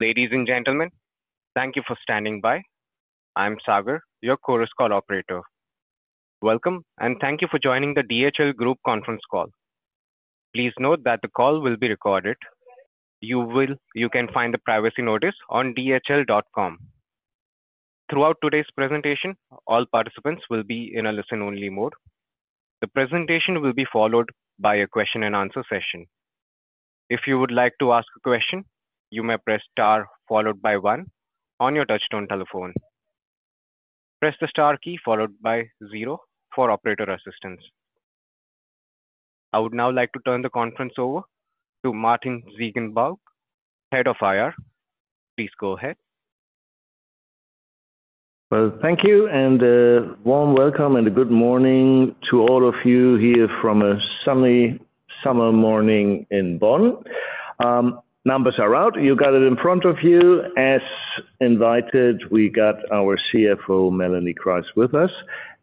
Ladies and gentlemen, thank you for standing by. I'm Sagar, your Chorus Call operator. Welcome, and thank you for joining the DHL Group conference call. Please note that the call will be recorded. You can find the privacy notice on dhl.com. Throughout today's presentation, all participants will be in a listen-only mode. The presentation will be followed by a question and answer session. If you would like to ask a question, you may press star followed by one on your touchtone telephone. Press the star key followed by zero for operator assistance. I would now like to turn the conference over to Martin Ziegenbalg, Head of IR. Please go ahead. Well, thank you, and warm welcome, and good morning to all of you here from a sunny summer morning in Bonn. Numbers are out. You got it in front of you. As invited, we got our CFO, Melanie Kreis, with us,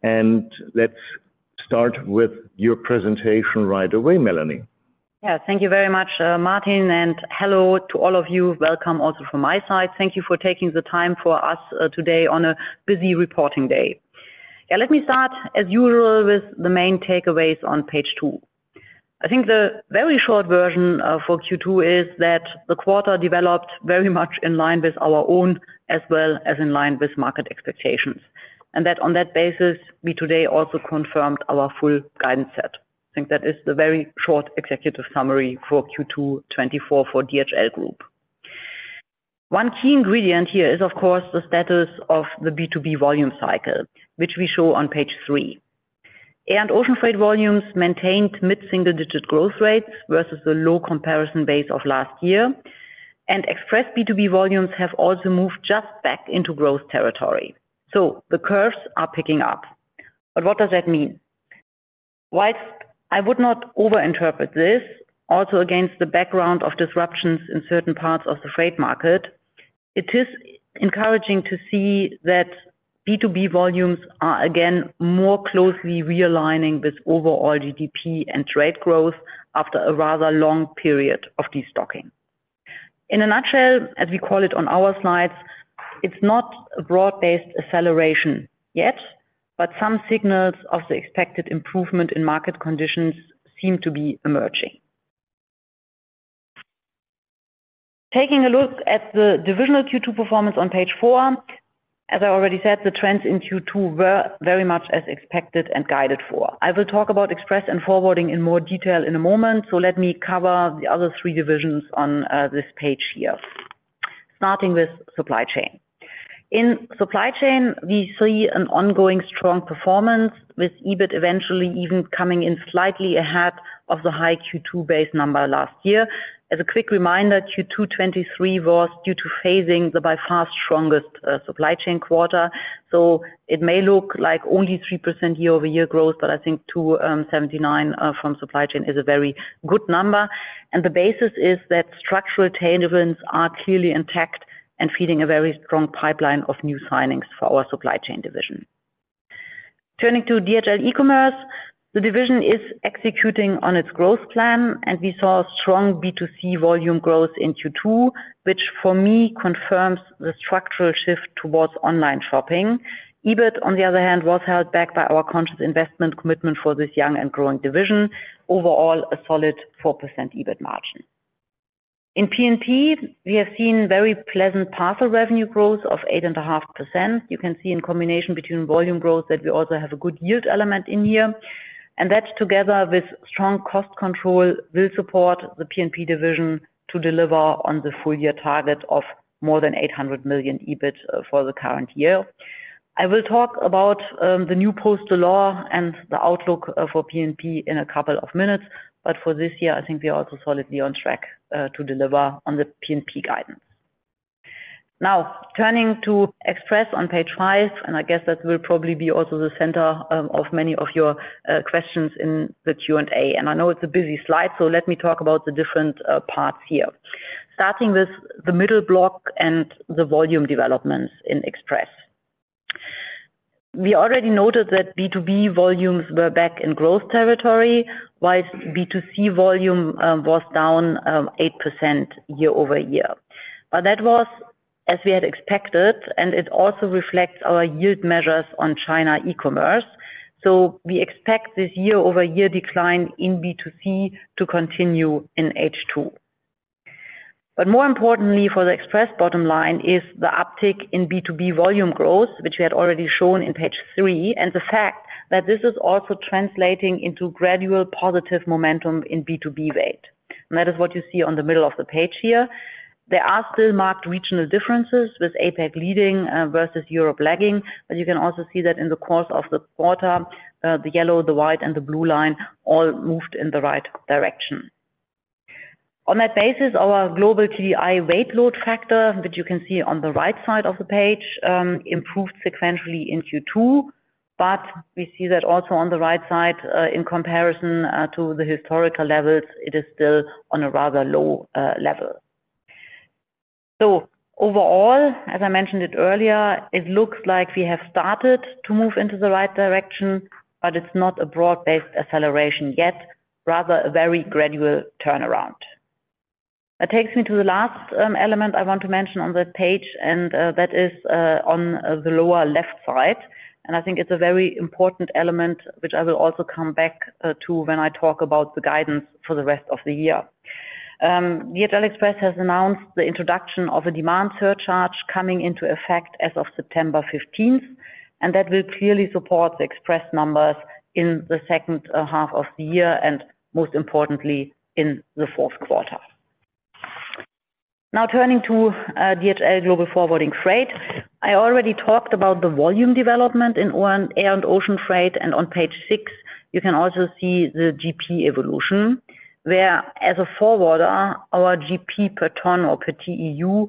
and let's start with your presentation right away, Melanie. Yeah. Thank you very much, Martin, and hello to all of you. Welcome also from my side. Thank you for taking the time for us, today on a busy reporting day. Yeah, let me start, as usual, with the main takeaways on page two. I think the very short version, for Q2 is that the quarter developed very much in line with our own, as well as in line with market expectations, and that on that basis, we today also confirmed our full guidance set. I think that is the very short executive summary for Q2 2024 for DHL Group. One key ingredient here is, of course, the status of the B2B volume cycle, which we show on page three Air and ocean freight volumes maintained mid-single-digit growth rates versus the low comparison base of last year, and Express B2B volumes have also moved just back into growth territory. So the curves are picking up. But what does that mean? While I would not overinterpret this, also against the background of disruptions in certain parts of the freight market, it is encouraging to see that B2B volumes are again more closely realigning with overall GDP and trade growth after a rather long period of destocking. In a nutshell, as we call it on our slides, it's not a broad-based acceleration yet, but some signals of the expected improvement in market conditions seem to be emerging. Taking a look at the divisional Q2 performance on page four, as I already said, the trends in Q2 were very much as expected and guided for. I will talk about Express and Forwarding in more detail in a moment, so let me cover the other three divisions on this page here. Starting with Supply Chain. In Supply Chain, we see an ongoing strong performance, with EBIT eventually even coming in slightly ahead of the high Q2 base number last year. As a quick reminder, Q2 2023 was, due to phasing, the by far strongest Supply Chain quarter. So it may look like only 3% year-over-year growth, but I think 279 million from Supply Chain is a very good number. And the basis is that structural tailwinds are clearly intact and feeding a very strong pipeline of new signings for our Supply Chain division. Turning to DHL eCommerce, the division is executing on its growth plan, and we saw strong B2C volume growth in Q2, which for me confirms the structural shift towards online shopping. EBIT, on the other hand, was held back by our conscious investment commitment for this young and growing division. Overall, a solid 4% EBIT margin. In P&P, we have seen very pleasant parcel revenue growth of 8.5%. You can see in combination between volume growth that we also have a good yield element in here, and that, together with strong cost control, will support the P&P division to deliver on the full year target of more than 800 million EBIT for the current year. I will talk about the new postal law and the outlook for P&P in a couple of minutes, but for this year, I think we are also solidly on track to deliver on the P&P guidance. Now, turning to Express on page five, and I guess that will probably be also the center of many of your questions in the Q&A. I know it's a busy slide, so let me talk about the different parts here. Starting with the middle block and the volume developments in Express. We already noted that B2B volumes were back in growth territory, while B2C volume was down 8% year-over-year. But that was as we had expected, and it also reflects our yield measures on China eCommerce. So we expect this year-over-year decline in B2C to continue in H2. But more importantly for the Express bottom line is the uptick in B2B volume growth, which we had already shown in page three, and the fact that this is also translating into gradual positive momentum in B2B weight. And that is what you see on the middle of the page here. There are still marked regional differences, with APAC leading, versus Europe lagging, but you can also see that in the course of the quarter, the yellow, the white, and the blue line all moved in the right direction. On that basis, our global TDI weight load factor, which you can see on the right side of the page, improved sequentially in Q2, but we see that also on the right side, in comparison, to the historical levels, it is still on a rather low, level. Overall, as I mentioned it earlier, it looks like we have started to move into the right direction, but it's not a broad-based acceleration yet. Rather a very gradual turnaround. That takes me to the last element I want to mention on the page, and that is on the lower left side. And I think it's a very important element, which I will also come back to when I talk about the guidance for the rest of the year. DHL Express has announced the introduction of a Demand Surcharge coming into effect as of September 15th, and that will clearly support the express numbers in the second half of the year, and most importantly, in the fourth quarter. Now, turning to DHL Global Forwarding Freight. I already talked about the volume development in ocean air and ocean freight, and on page six, you can also see the GP evolution, whereas a forwarder, our GP per ton or per TEU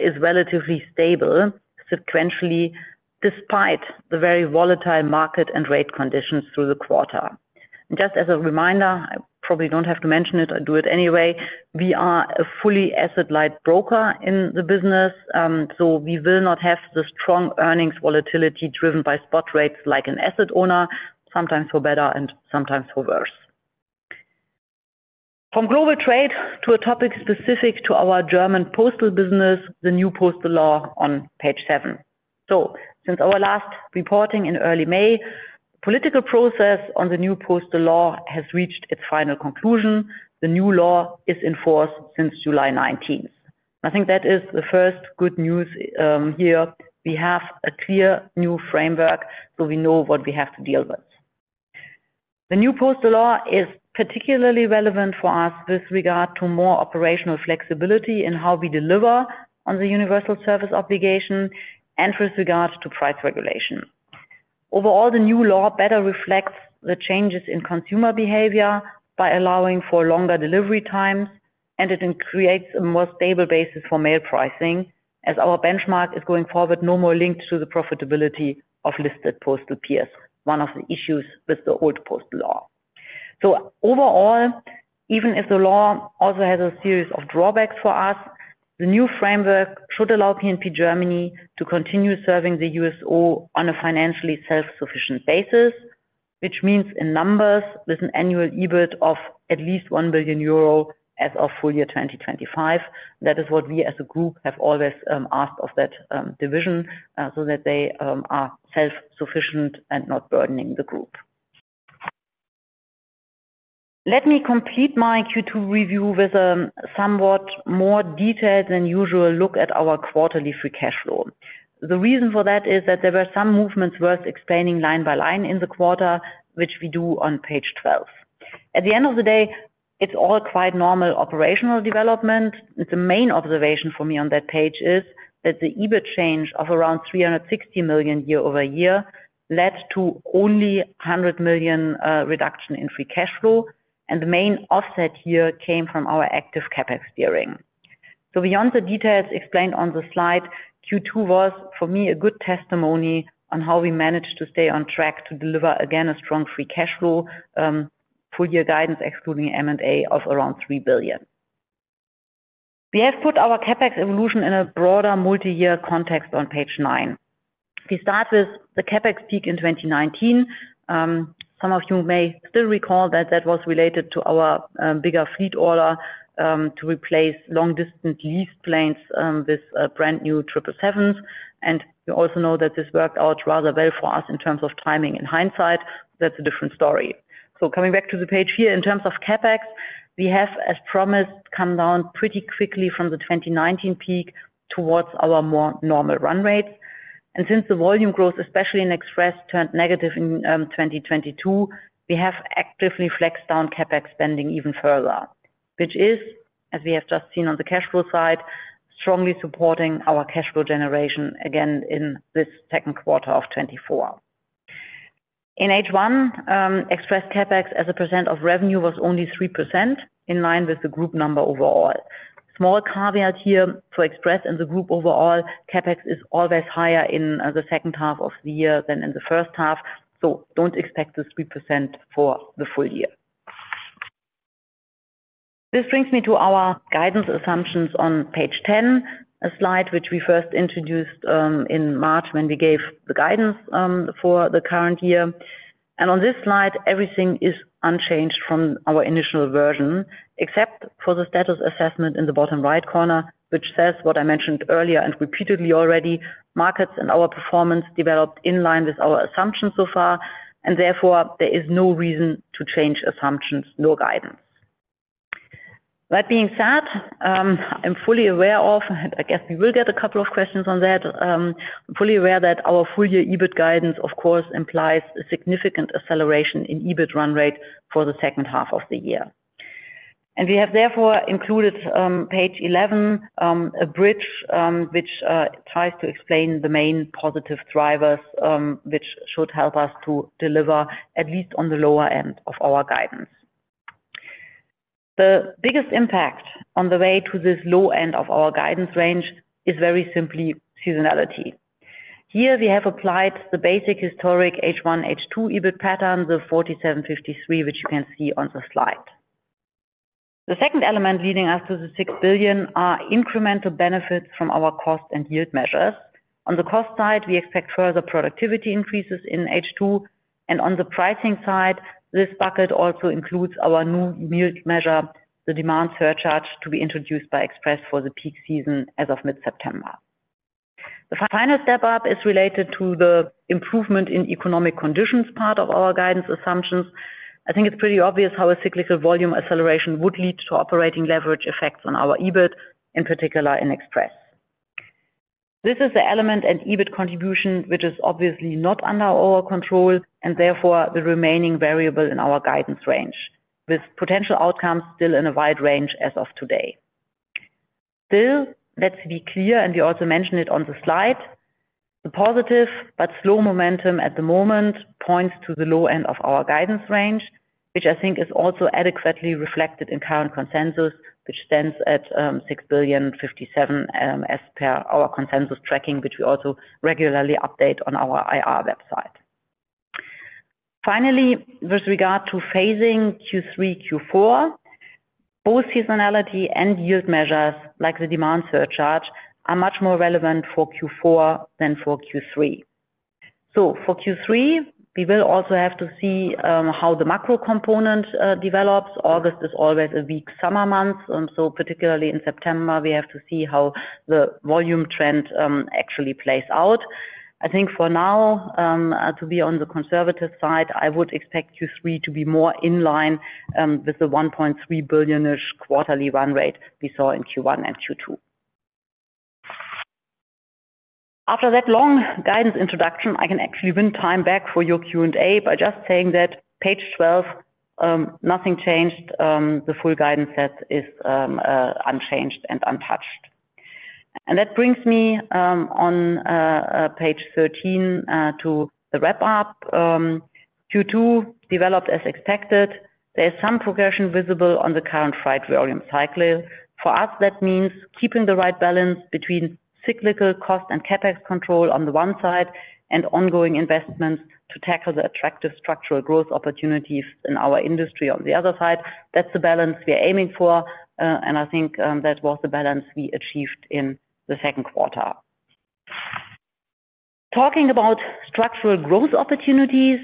is relatively stable sequentially, despite the very volatile market and rate conditions through the quarter. Just as a reminder, I probably don't have to mention it, I do it anyway, we are a fully asset-light broker in the business, so we will not have the strong earnings volatility driven by spot rates like an asset owner, sometimes for better and sometimes for worse. From global trade to a topic specific to our German postal business, the new postal law on page seven. So since our last reporting in early May, political process on the new postal law has reached its final conclusion. The new law is in force since July 19th. I think that is the first good news, here. We have a clear new framework, so we know what we have to deal with. The new postal law is particularly relevant for us with regard to more operational flexibility in how we deliver on the universal service obligation and with regards to price regulation. Overall, the new law better reflects the changes in consumer behavior by allowing for longer delivery times, and it creates a more stable basis for mail pricing, as our benchmark is going forward, no more linked to the profitability of listed postal peers, one of the issues with the old postal law. So overall, even if the law also has a series of drawbacks for us, the new framework should allow P&P Germany to continue serving the USO on a financially self-sufficient basis, which means in numbers, there's an annual EBIT of at least 1 billion euro as of full year 2025. That is what we, as a group, have always asked of that division so that they are self-sufficient and not burdening the group. Let me complete my Q2 review with a somewhat more detailed than usual look at our quarterly free cash flow. The reason for that is that there were some movements worth explaining line by line in the quarter, which we do on page 12. At the end of the day, it's all quite normal operational development. The main observation for me on that page is that the EBIT change of around 360 million year-over-year led to only 100 million reduction in free cash flow, and the main offset here came from our active CapEx steering. So beyond the details explained on the slide, Q2 was, for me, a good testimony on how we managed to stay on track to deliver, again, a strong free cash flow full year guidance, excluding M&A of around 3 billion. We have put our CapEx evolution in a broader multi-year context on page nine. We start with the CapEx peak in 2019. Some of you may still recall that that was related to our bigger fleet order to replace long-distance lease planes with brand-new triple sevens. We also know that this worked out rather well for us in terms of timing. In hindsight, that's a different story. Coming back to the page here, in terms of CapEx, we have, as promised, come down pretty quickly from the 2019 peak towards our more normal run rates. And since the volume growth, especially in Express, turned negative in 2022, we have actively flexed down CapEx spending even further, which is, as we have just seen on the cash flow side, strongly supporting our cash flow generation again in this second quarter of 2024. In H1, Express CapEx, as a percent of revenue, was only 3%, in line with the group number overall. Small caveat here for Express and the group overall, CapEx is always higher in the second half of the year than in the first half, so don't expect this 3% for the full year. This brings me to our guidance assumptions on page 10, a slide which we first introduced in March, when we gave the guidance for the current year. On this slide, everything is unchanged from our initial version, except for the status assessment in the bottom right corner, which says what I mentioned earlier and repeatedly already. Markets and our performance developed in line with our assumptions so far, and therefore, there is no reason to change assumptions, no guidance. That being said, I'm fully aware of, I guess we will get a couple of questions on that. I'm fully aware that our full-year EBIT guidance, of course, implies a significant acceleration in EBIT run rate for the second half of the year. And we have therefore included, page 11, a bridge, which tries to explain the main positive drivers, which should help us to deliver at least on the lower end of our guidance. The biggest impact on the way to this low end of our guidance range is very simply seasonality. Here we have applied the basic historic H1, H2 EBIT pattern, the 47-53, which you can see on the slide. The second element leading us to the 6 billion are incremental benefits from our cost and yield measures. On the cost side, we expect further productivity increases in H2, and on the pricing side, this bucket also includes our new yield measure, the Demand Surcharge, to be introduced by Express for the peak season as of mid-September. The final step up is related to the improvement in economic conditions, part of our guidance assumptions. I think it's pretty obvious how a cyclical volume acceleration would lead to operating leverage effects on our EBIT, in particular in Express. This is the element and EBIT contribution, which is obviously not under our control, and therefore, the remaining variable in our guidance range, with potential outcomes still in a wide range as of today. Still, let's be clear, and we also mention it on the slide, the positive but slow momentum at the moment points to the low end of our guidance range, which I think is also adequately reflected in current consensus, which stands at 6.057 billion, as per our consensus tracking, which we also regularly update on our IR website. Finally, with regard to phasing Q3, Q4, both seasonality and yield measures, like the Demand Surcharge, are much more relevant for Q4 than for Q3. So for Q3, we will also have to see how the macro component develops. August is always a weak summer month, and so particularly in September, we have to see how the volume trend actually plays out. I think for now, to be on the conservative side, I would expect Q3 to be more in line, with the 1.3 billion-ish quarterly run rate we saw in Q1 and Q2. After that long guidance introduction, I can actually win time back for your Q&A by just saying that page twelve, nothing changed. The full guidance set is, unchanged and untouched. And that brings me, on, page thirteen, to the wrap up. Q2 developed as expected. There is some progression visible on the current freight volume cycle. For us, that means keeping the right balance between cyclical cost and CapEx control on the one side, and ongoing investments to tackle the attractive structural growth opportunities in our industry on the other side. That's the balance we are aiming for, and I think, that was the balance we achieved in the second quarter. Talking about structural growth opportunities,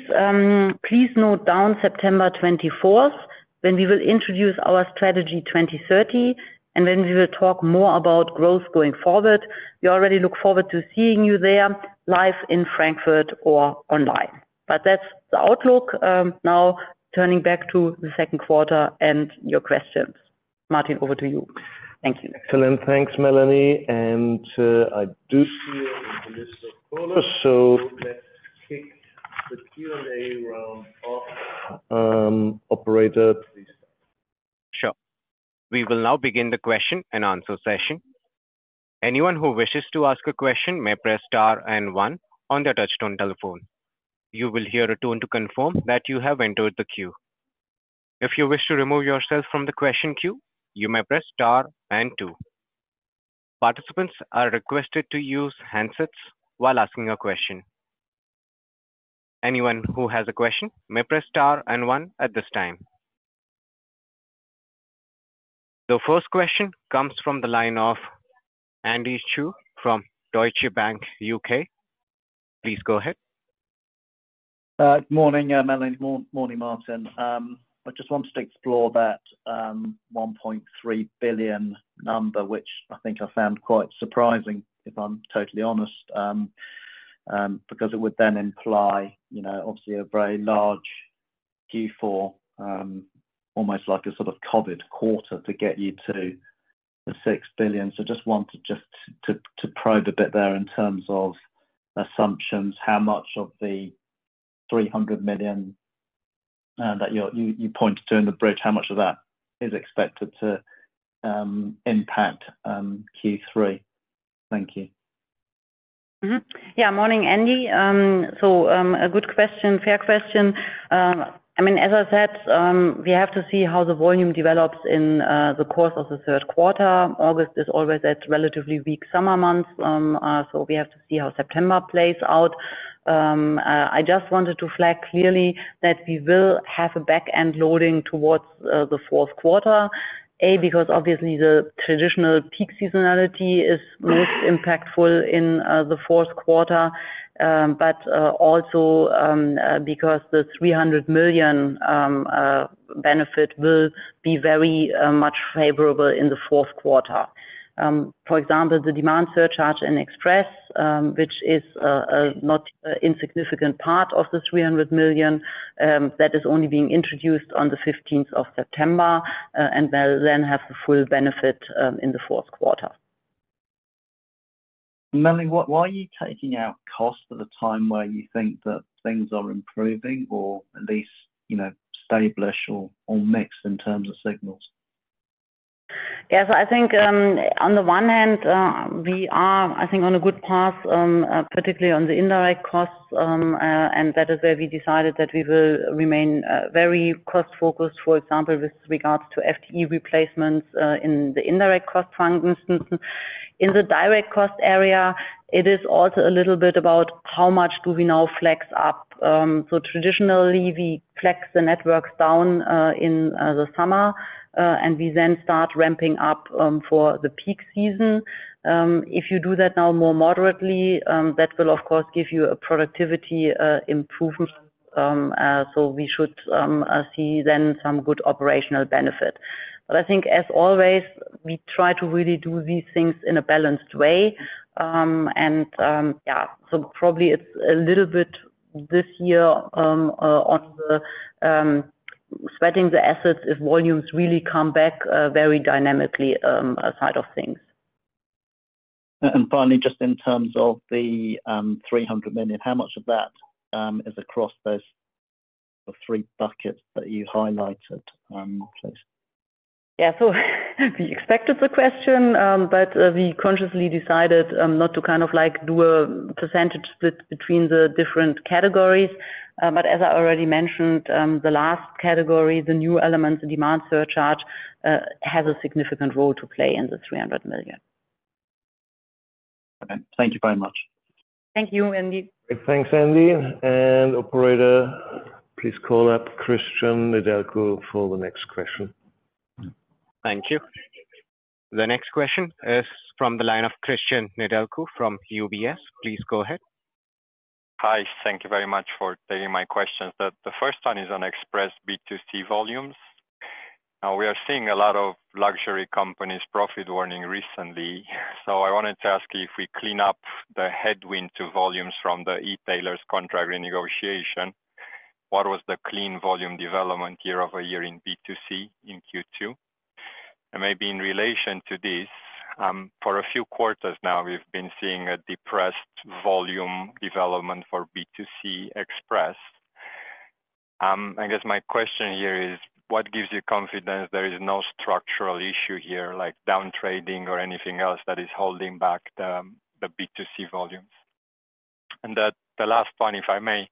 please note down September twenty-fourth, when we will introduce our Strategy 2030, and then we will talk more about growth going forward. We already look forward to seeing you there, live in Frankfurt or online. But that's the outlook. Now turning back to the second quarter and your questions. Martin, over to you. Thank you. Excellent. Thanks, Melanie, and I do see you in the list of callers, so let's kick the Q&A round off. Operator, please start. Sure. We will now begin the question and answer session. Anyone who wishes to ask a question may press star and one on their touchtone telephone. You will hear a tone to confirm that you have entered the queue. If you wish to remove yourself from the question queue, you may press star and two. Participants are requested to use handsets while asking a question. Anyone who has a question may press star and one at this time. The first question comes from the line of Andy Chu from Deutsche Bank, UK. Please go ahead. Good morning, Melanie. Morning, Martin. I just wanted to explore that 1.3 billion number, which I think I found quite surprising, if I'm totally honest, because it would then imply, you know, obviously a very large Q4, almost like a sort of COVID quarter to get you to the six billion. So just wanted just to, to probe a bit there in terms of assumptions, how much of the 300 million that you're-- you, you pointed to in the bridge, how much of that is expected to impact Q3? Thank you. Mm-hmm. Yeah, morning, Andy. So, a good question, fair question. I mean, as I said, we have to see how the volume develops in the course of the third quarter. August is always that relatively weak summer month, so we have to see how September plays out. I just wanted to flag clearly that we will have a back-end loading towards the fourth quarter, because obviously the traditional peak seasonality is most impactful in the fourth quarter, but also, because the 300 million benefit will be very much favorable in the fourth quarter. For example, the demand surcharge in Express, which is a not insignificant part of the 300 million, that is only being introduced on the fifteenth of September, and they'll then have the full benefit in the fourth quarter. Melanie, why, why are you taking out costs at a time where you think that things are improving or at least, you know, established or mixed in terms of signals? Yes, I think, on the one hand, we are, I think, on a good path, particularly on the indirect costs, and that is where we decided that we will remain, very cost-focused, for example, with regards to FTE replacements, in the indirect cost function. In the direct cost area, it is also a little bit about how much do we now flex up. So traditionally, we flex the networks down, in the summer, and we then start ramping up, for the peak season. If you do that now more moderately, that will, of course, give you a productivity, improvement. So we should see then some good operational benefit. But I think as always, we try to really do these things in a balanced way. Yeah, so probably it's a little bit this year on the spreading the assets if volumes really come back very dynamically, aside of things. And finally, just in terms of the 300 million, how much of that is across those three buckets that you highlighted, please? Yeah. So we expected the question, but we consciously decided not to kind of, like, do a percentage split between the different categories. But as I already mentioned, the last category, the new elements, the demand surcharge, has a significant role to play in the 300 million. Okay. Thank you very much. Thank you, Andy. Thanks, Andy. Operator, please call up Cristian Nedelcu for the next question. Thank you. The next question is from the line of Cristian Nedelcu from UBS. Please go ahead. Hi, thank you very much for taking my questions. The first one is on express B2C volumes. Now, we are seeing a lot of luxury companies profit warning recently. So I wanted to ask you, if we clean up the headwind to volumes from the e-tailers contract renegotiation, what was the clean volume development year-over-year in B2C in Q2? And maybe in relation to this, for a few quarters now, we've been seeing a depressed volume development for B2C express. I guess my question here is, what gives you confidence there is no structural issue here, like down trading or anything else that is holding back the B2C volumes? And the last one, if I may,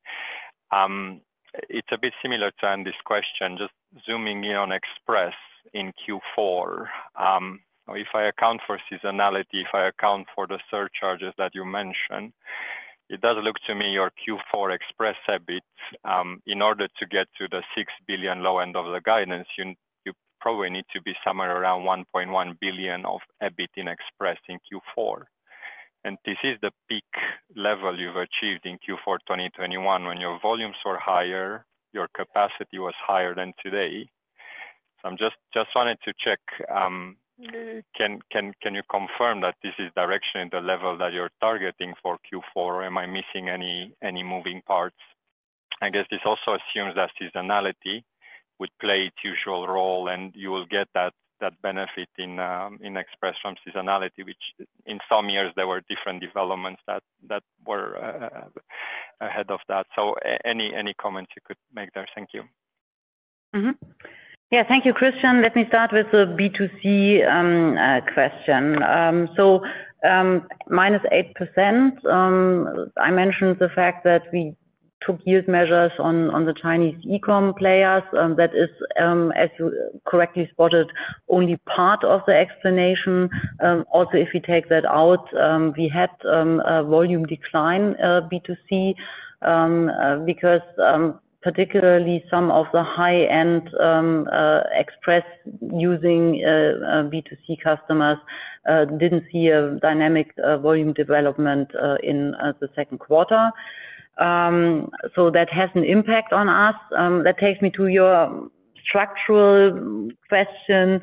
it's a bit similar to Andy's question, just zooming in on Express in Q4. If I account for seasonality, if I account for the surcharges that you mentioned, it does look to me your Q4 Express EBIT, in order to get to the 6 billion low end of the guidance, you, you probably need to be somewhere around 1.1 billion of EBIT in Express in Q4. And this is the peak level you've achieved in Q4 2021, when your volumes were higher, your capacity was higher than today. So I'm just, just wanted to check, can, can, can you confirm that this is directionally the level that you're targeting for Q4, or am I missing any, any moving parts? I guess this also assumes that seasonality would play its usual role, and you will get that benefit in Express from seasonality, which in some years there were different developments that were ahead of that. So any comments you could make there? Thank you. Mm-hmm. Yeah. Thank you, Cristian. Let me start with the B2C question. So, minus 8%, I mentioned the fact that we took huge measures on the Chinese e-com players, that is, as you correctly spotted, only part of the explanation. Also, if you take that out, we had a volume decline, B2C, because particularly some of the high-end express using B2C customers didn't see a dynamic volume development in the second quarter. So that has an impact on us. That takes me to your structural question.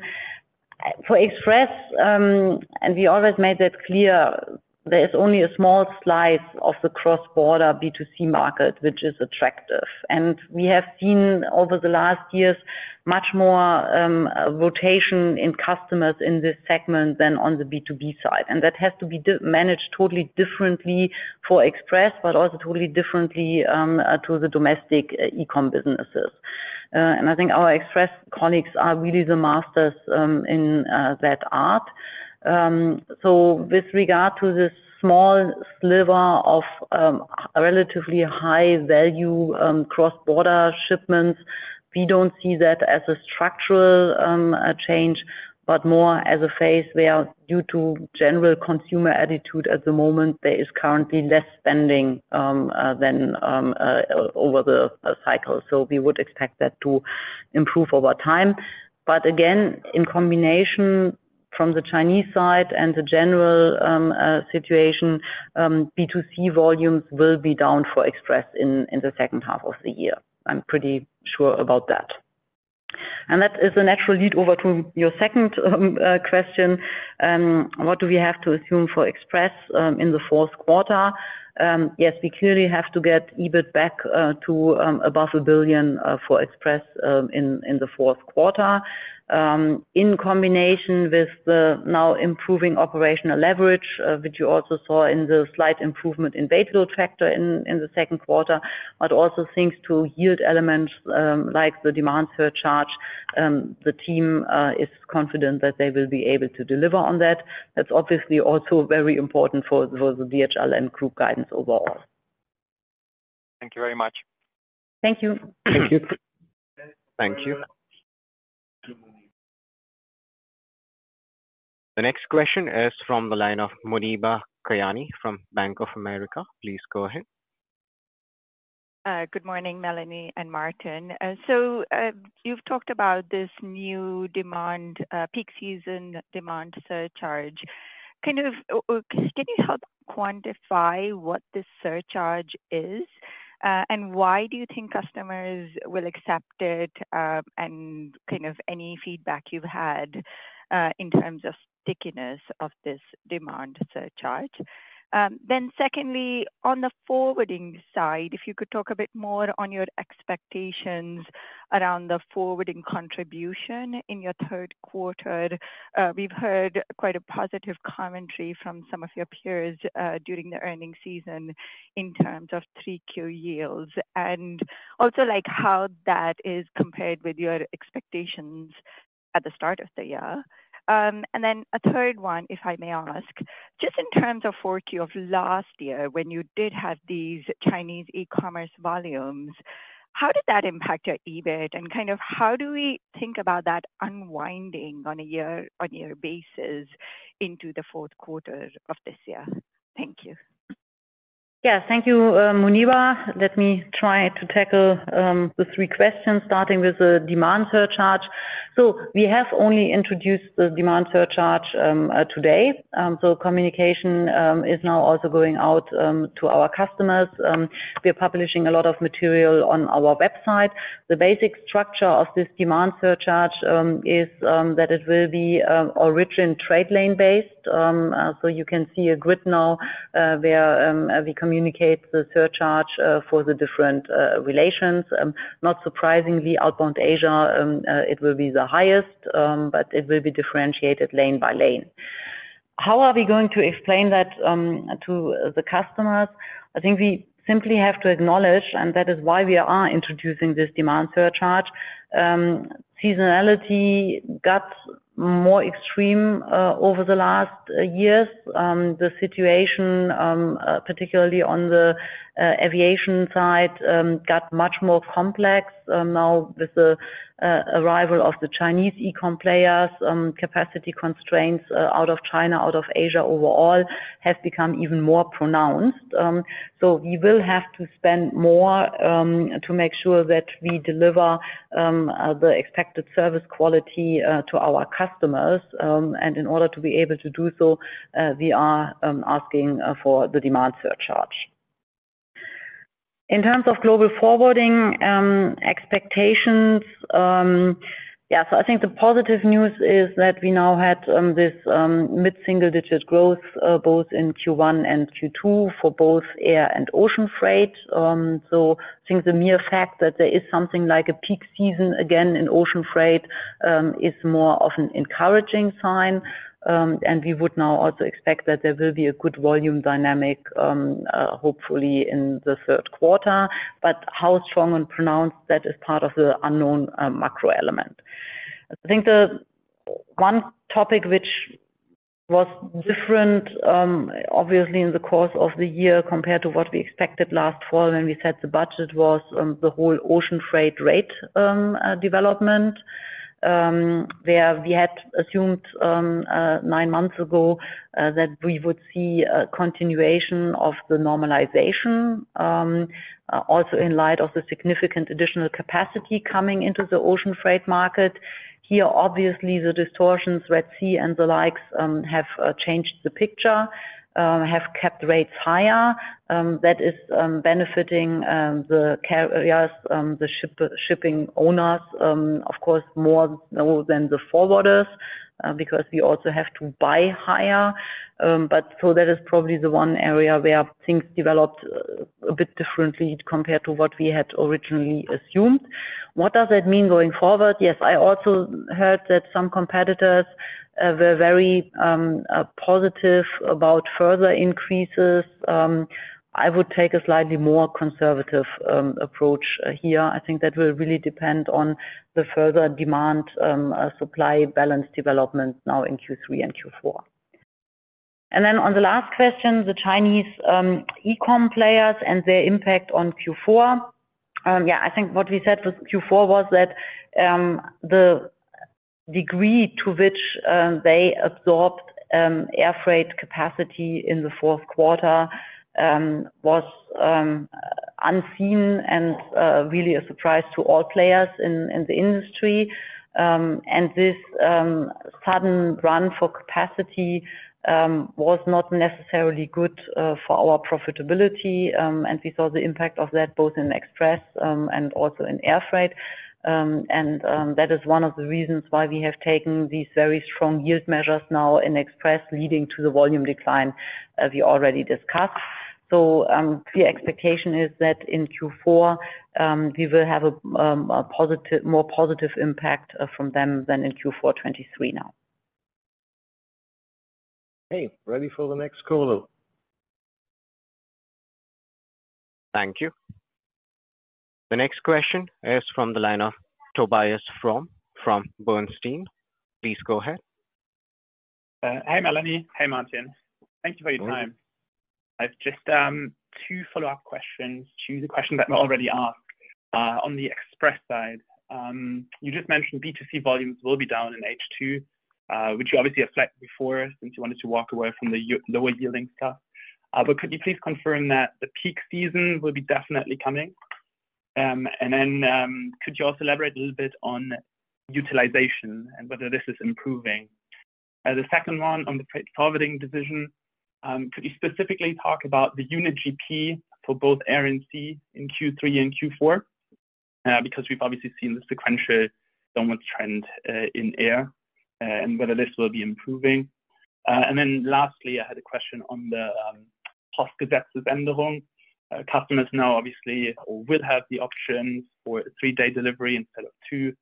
For Express, and we always made that clear, there is only a small slice of the cross-border B2C market, which is attractive. We have seen over the last years, much more rotation in customers in this segment than on the B2B side. That has to be managed totally differently for Express, but also totally differently to the domestic e-com businesses. I think our Express colleagues are really the masters in that art. With regard to this small sliver of a relatively high value cross-border shipments, we don't see that as a structural change, but more as a phase where due to general consumer attitude at the moment, there is currently less spending than over the cycle. We would expect that to improve over time. But again, in combination from the Chinese side and the general situation, B2C volumes will be down for Express in the second half of the year. I'm pretty sure about that. That is a natural lead over to your second question. What do we have to assume for Express in the fourth quarter? Yes, we clearly have to get EBIT back to above 1 billion for Express in the fourth quarter. In combination with the now improving operational leverage, which you also saw in the slight improvement in base load factor in the second quarter, but also thanks to yield elements, like the Demand Surcharge, the team is confident that they will be able to deliver on that. That's obviously also very important for the DHL Group guidance overall. Thank you very much. Thank you. Thank you. Thank you. The next question is from the line of Muneeba Kayani from Bank of America. Please go ahead. Good morning, Melanie and Martin. So, you've talked about this new demand peak season demand surcharge. Kind of, can you help quantify what this surcharge is? And why do you think customers will accept it, and kind of any feedback you've had, in terms of stickiness of this demand surcharge? Then secondly, on the forwarding side, if you could talk a bit more on your expectations around the forwarding contribution in your third quarter. We've heard quite a positive commentary from some of your peers, during the earnings season in terms of three Q yields, and also, like, how that is compared with your expectations at the start of the year. And then a third one, if I may ask, just in terms of Q4 of last year, when you did have these Chinese e-commerce volumes, how did that impact your EBIT, and kind of how do we think about that unwinding on a year-on-year basis into the fourth quarter of this year? Thank you. Yeah. Thank you, Muneeba. Let me try to tackle the three questions, starting with the demand surcharge. So we have only introduced the demand surcharge today. So communication is now also going out to our customers. We are publishing a lot of material on our website. The basic structure of this demand surcharge is that it will be origin trade lane-based. So you can see a grid now where we communicate the surcharge for the different relations. Not surprisingly, outbound Asia, it will be the highest, but it will be differentiated lane by lane. How are we going to explain that to the customers? I think we simply have to acknowledge, and that is why we are introducing this demand surcharge. Seasonality got more extreme over the last years. The situation, particularly on the aviation side, got much more complex. Now with the arrival of the Chinese e-com players, capacity constraints out of China, out of Asia overall, has become even more pronounced. So we will have to spend more to make sure that we deliver the expected service quality to our customers. And in order to be able to do so, we are asking for the demand surcharge. In terms of global forwarding expectations, yeah, so I think the positive news is that we now had this mid-single-digit growth both in Q1 and Q2 for both air and ocean freight. So I think the mere fact that there is something like a peak season, again in ocean freight, is more of an encouraging sign. And we would now also expect that there will be a good volume dynamic, hopefully in the third quarter. But how strong and pronounced that is part of the unknown, macro element. I think the one topic which was different, obviously in the course of the year, compared to what we expected last fall when we set the budget, was, the whole ocean freight rate, development. Where we had assumed, nine months ago, that we would see a continuation of the normalization, also in light of the significant additional capacity coming into the ocean freight market. Here, obviously, the distortions, Red Sea, and the like, have changed the picture, have kept rates higher, that is benefiting the carriers, the shipping owners, of course, more than the forwarders, because we also have to buy higher. But so that is probably the one area where things developed a bit differently compared to what we had originally assumed. What does that mean going forward? Yes, I also heard that some competitors were very positive about further increases. I would take a slightly more conservative approach here. I think that will really depend on the further demand-supply balance development now in Q3 and Q4. And then on the last question, the Chinese e-com players and their impact on Q4. Yeah, I think what we said for Q4 was that the degree to which they absorbed air freight capacity in the fourth quarter was unseen and really a surprise to all players in the industry. This sudden run for capacity was not necessarily good for our profitability, and we saw the impact of that both in express and also in air freight. That is one of the reasons why we have taken these very strong yield measures now in express, leading to the volume decline, as we already discussed. So the expectation is that in Q4 we will have a more positive impact from them than in Q4 2023 now. Hey, ready for the next caller. Thank you. The next question is from the line of Tobias Fromme from Bernstein. Please go ahead. Hi, Melanie. Hi, Martin. Thank you for your time. I've just two follow-up questions to the questions that were already asked. On the express side, you just mentioned B2C volumes will be down in H2, which you obviously reflected before, since you wanted to walk away from the lower-yielding stuff. But could you please confirm that the peak season will be definitely coming? And then, could you elaborate a little bit on utilization and whether this is improving? The second one on the freight forwarding division, could you specifically talk about the unit GP for both air and sea in Q3 and Q4? Because we've obviously seen the sequential downwards trend in air, and whether this will be improving. And then lastly, I had a question on the Postgesetzänderung. Customers now obviously will have the option for a three-day delivery instead of two.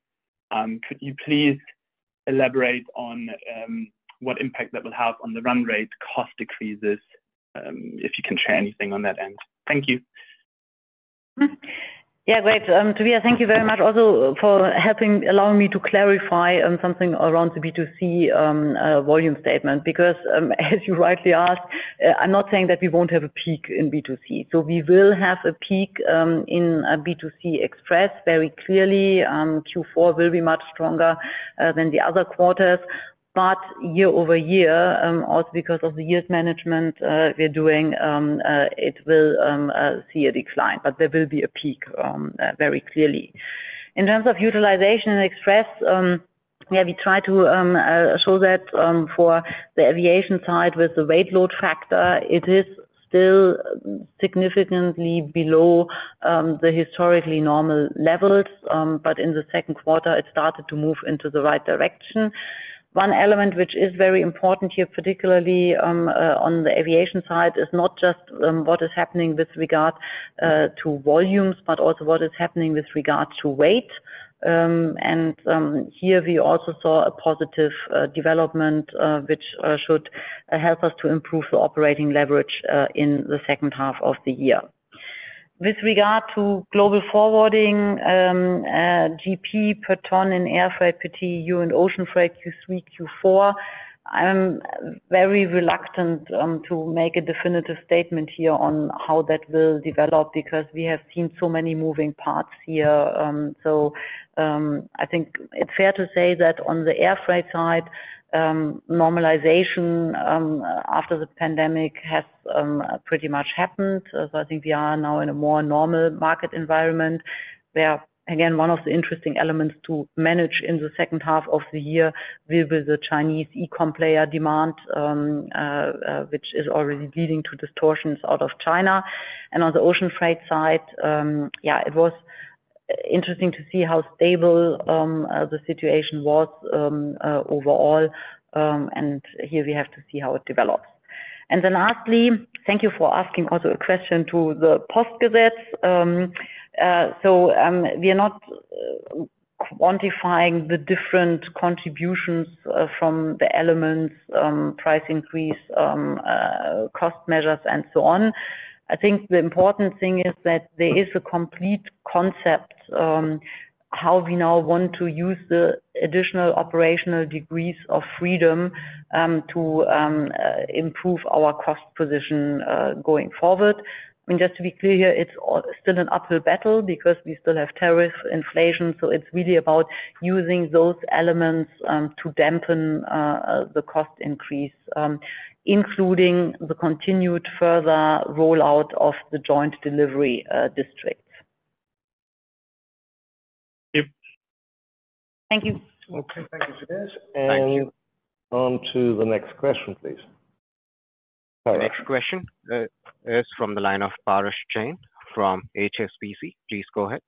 Could you please elaborate on what impact that will have on the run rate, cost decreases, if you can share anything on that end? Thank you. Yeah, great. Tobias, thank you very much also for helping, allowing me to clarify on something around the B2C volume statement, because, as you rightly asked, I'm not saying that we won't have a peak in B2C. So we will have a peak in B2C express very clearly. Q4 will be much stronger than the other quarters, but year-over-year, also because of the yield management we're doing, it will see a decline. But there will be a peak very clearly. In terms of utilization and express, yeah, we try to show that, for the aviation side, with the weight load factor, it is still significantly below the historically normal levels, but in the second quarter, it started to move into the right direction. One element which is very important here, particularly, on the aviation side, is not just what is happening with regard to volumes, but also what is happening with regard to weight. Here we also saw a positive development which should help us to improve the operating leverage in the second half of the year. With regard to global forwarding, GP per ton in air freight, TEU, and ocean freight, Q3, Q4, I'm very reluctant to make a definitive statement here on how that will develop because we have seen so many moving parts here. So I think it's fair to say that on the air freight side, normalization after the pandemic has pretty much happened. So I think we are now in a more normal market environment, where, again, one of the interesting elements to manage in the second half of the year will be the Chinese e-com player demand, which is already leading to distortions out of China. And on the ocean freight side, yeah, it was interesting to see how stable the situation was, overall, and here we have to see how it develops. And then lastly, thank you for asking also a question to the Postgesetz. So, we are not quantifying the different contributions from the elements, price increase, cost measures, and so on. I think the important thing is that there is a complete concept on how we now want to use the additional operational degrees of freedom to improve our cost position going forward. I mean, just to be clear, it's all still an uphill battle because we still have tariff inflation, so it's really about using those elements to dampen the cost increase, including the continued further rollout of the joint delivery districts. Thank you. Thank you. Okay, thank you for this. Thank you. On to the next question, please. The next question is from the line of Parash Jain from HSBC. Please go ahead.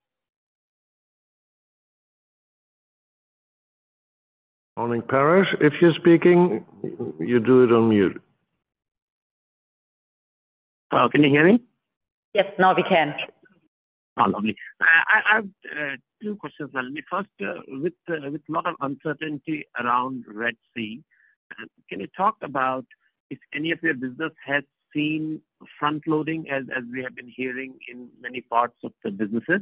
Morning, Parash. If you're speaking, you do it on mute. Can you hear me? Yes, now we can. Oh, lovely. I have two questions, Melanie. First, with a lot of uncertainty around Red Sea, can you talk about if any of your business has seen front-loading, as we have been hearing in many parts of the businesses?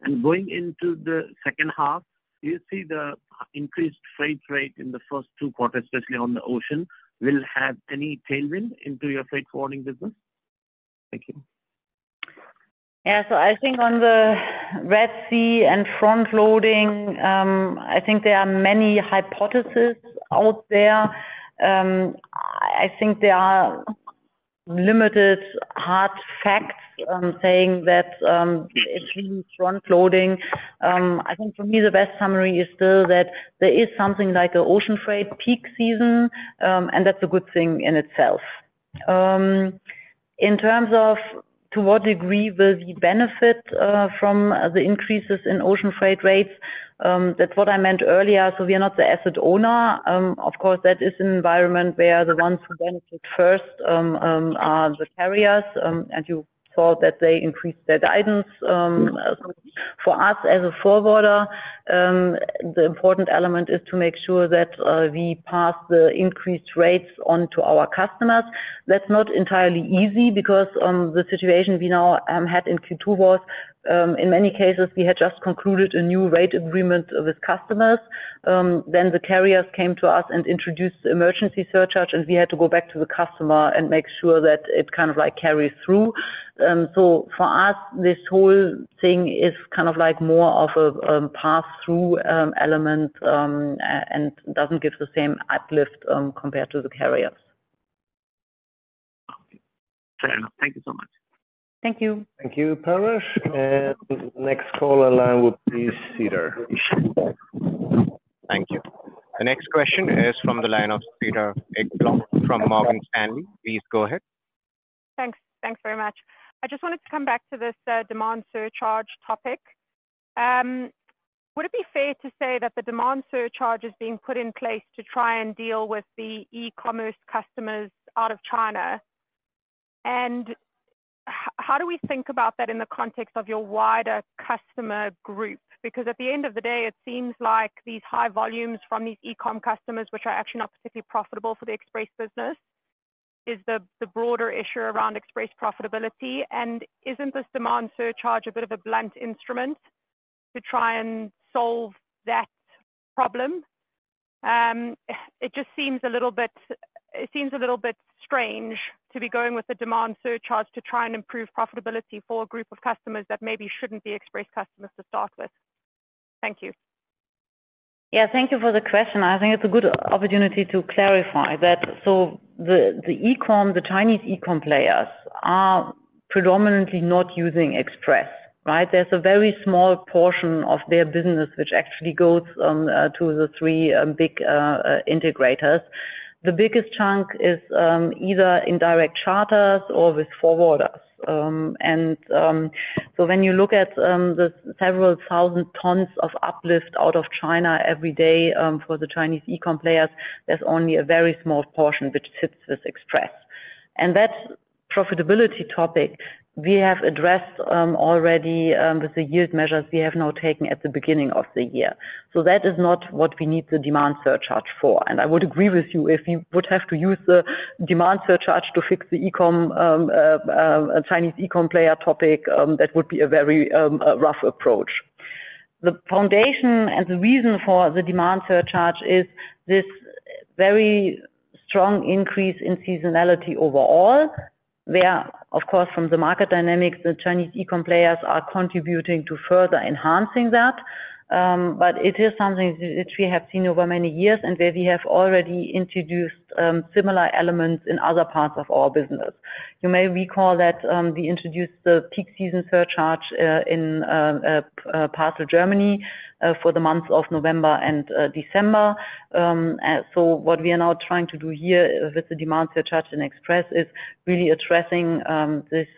And going into the second half, do you see the increased freight rate in the first two quarters, especially on the ocean, will have any tailwind into your freight forwarding business? Thank you. Yeah, so I think on the Red Sea and front-loading, I think there are many hypotheses out there. I think there are limited hard facts, saying that it means front-loading. I think for me, the best summary is still that there is something like an ocean freight peak season, and that's a good thing in itself. In terms of to what degree will we benefit from the increases in ocean freight rates, that's what I meant earlier. We are not the asset owner. Of course, that is an environment where the ones who benefit first are the carriers, and you saw that they increased their guidance. For us as a forwarder, the important element is to make sure that we pass the increased rates on to our customers. That's not entirely easy because the situation we now had in Q2 was in many cases, we had just concluded a new rate agreement with customers. Then the carriers came to us and introduced the emergency surcharge, and we had to go back to the customer and make sure that it kind of, like, carries through. So for us, this whole thing is kind of like more of a pass-through element, and doesn't give the same uplift compared to the carriers. Fair enough. Thank you so much. Thank you. Thank you, Parash. Next caller line will be Cedar. Thank you. The next question is from the line of Cedar from Morgan Stanley. Please go ahead. Thanks. Thanks very much. I just wanted to come back to this, demand surcharge topic. Would it be fair to say that the demand surcharge is being put in place to try and deal with the e-commerce customers out of China? And how do we think about that in the context of your wider customer group? Because at the end of the day, it seems like these high volumes from these e-com customers, which are actually not particularly profitable for the express business, is the broader issue around express profitability. And isn't this demand surcharge a bit of a blunt instrument to try and solve that problem? It seems a little bit strange to be going with the demand surcharge to try and improve profitability for a group of customers that maybe shouldn't be express customers to start with. Thank you. Yeah, thank you for the question. I think it's a good opportunity to clarify that. So the, the e-com, the Chinese e-com players are predominantly not using Express, right? There's a very small portion of their business which actually goes to the 3 big integrators. The biggest chunk is either indirect charters or with forwarders. And so when you look at the several thousand tons of uplift out of China every day for the Chinese e-com players, there's only a very small portion which hits this Express. And that profitability topic, we have addressed already with the yield measures we have now taken at the beginning of the year. So that is not what we need the demand surcharge for. I would agree with you, if you would have to use the Demand Surcharge to fix the e-com Chinese e-com player topic, that would be a very rough approach. The foundation and the reason for the Demand Surcharge is this very strong increase in seasonality overall, where, of course, from the market dynamics, the Chinese e-com players are contributing to further enhancing that. But it is something that we have seen over many years and where we have already introduced similar elements in other parts of our business. You may recall that we introduced the Peak Season Surcharge in Parcel Germany for the months of November and December. So what we are now trying to do here with the demand surcharge in Express is really addressing this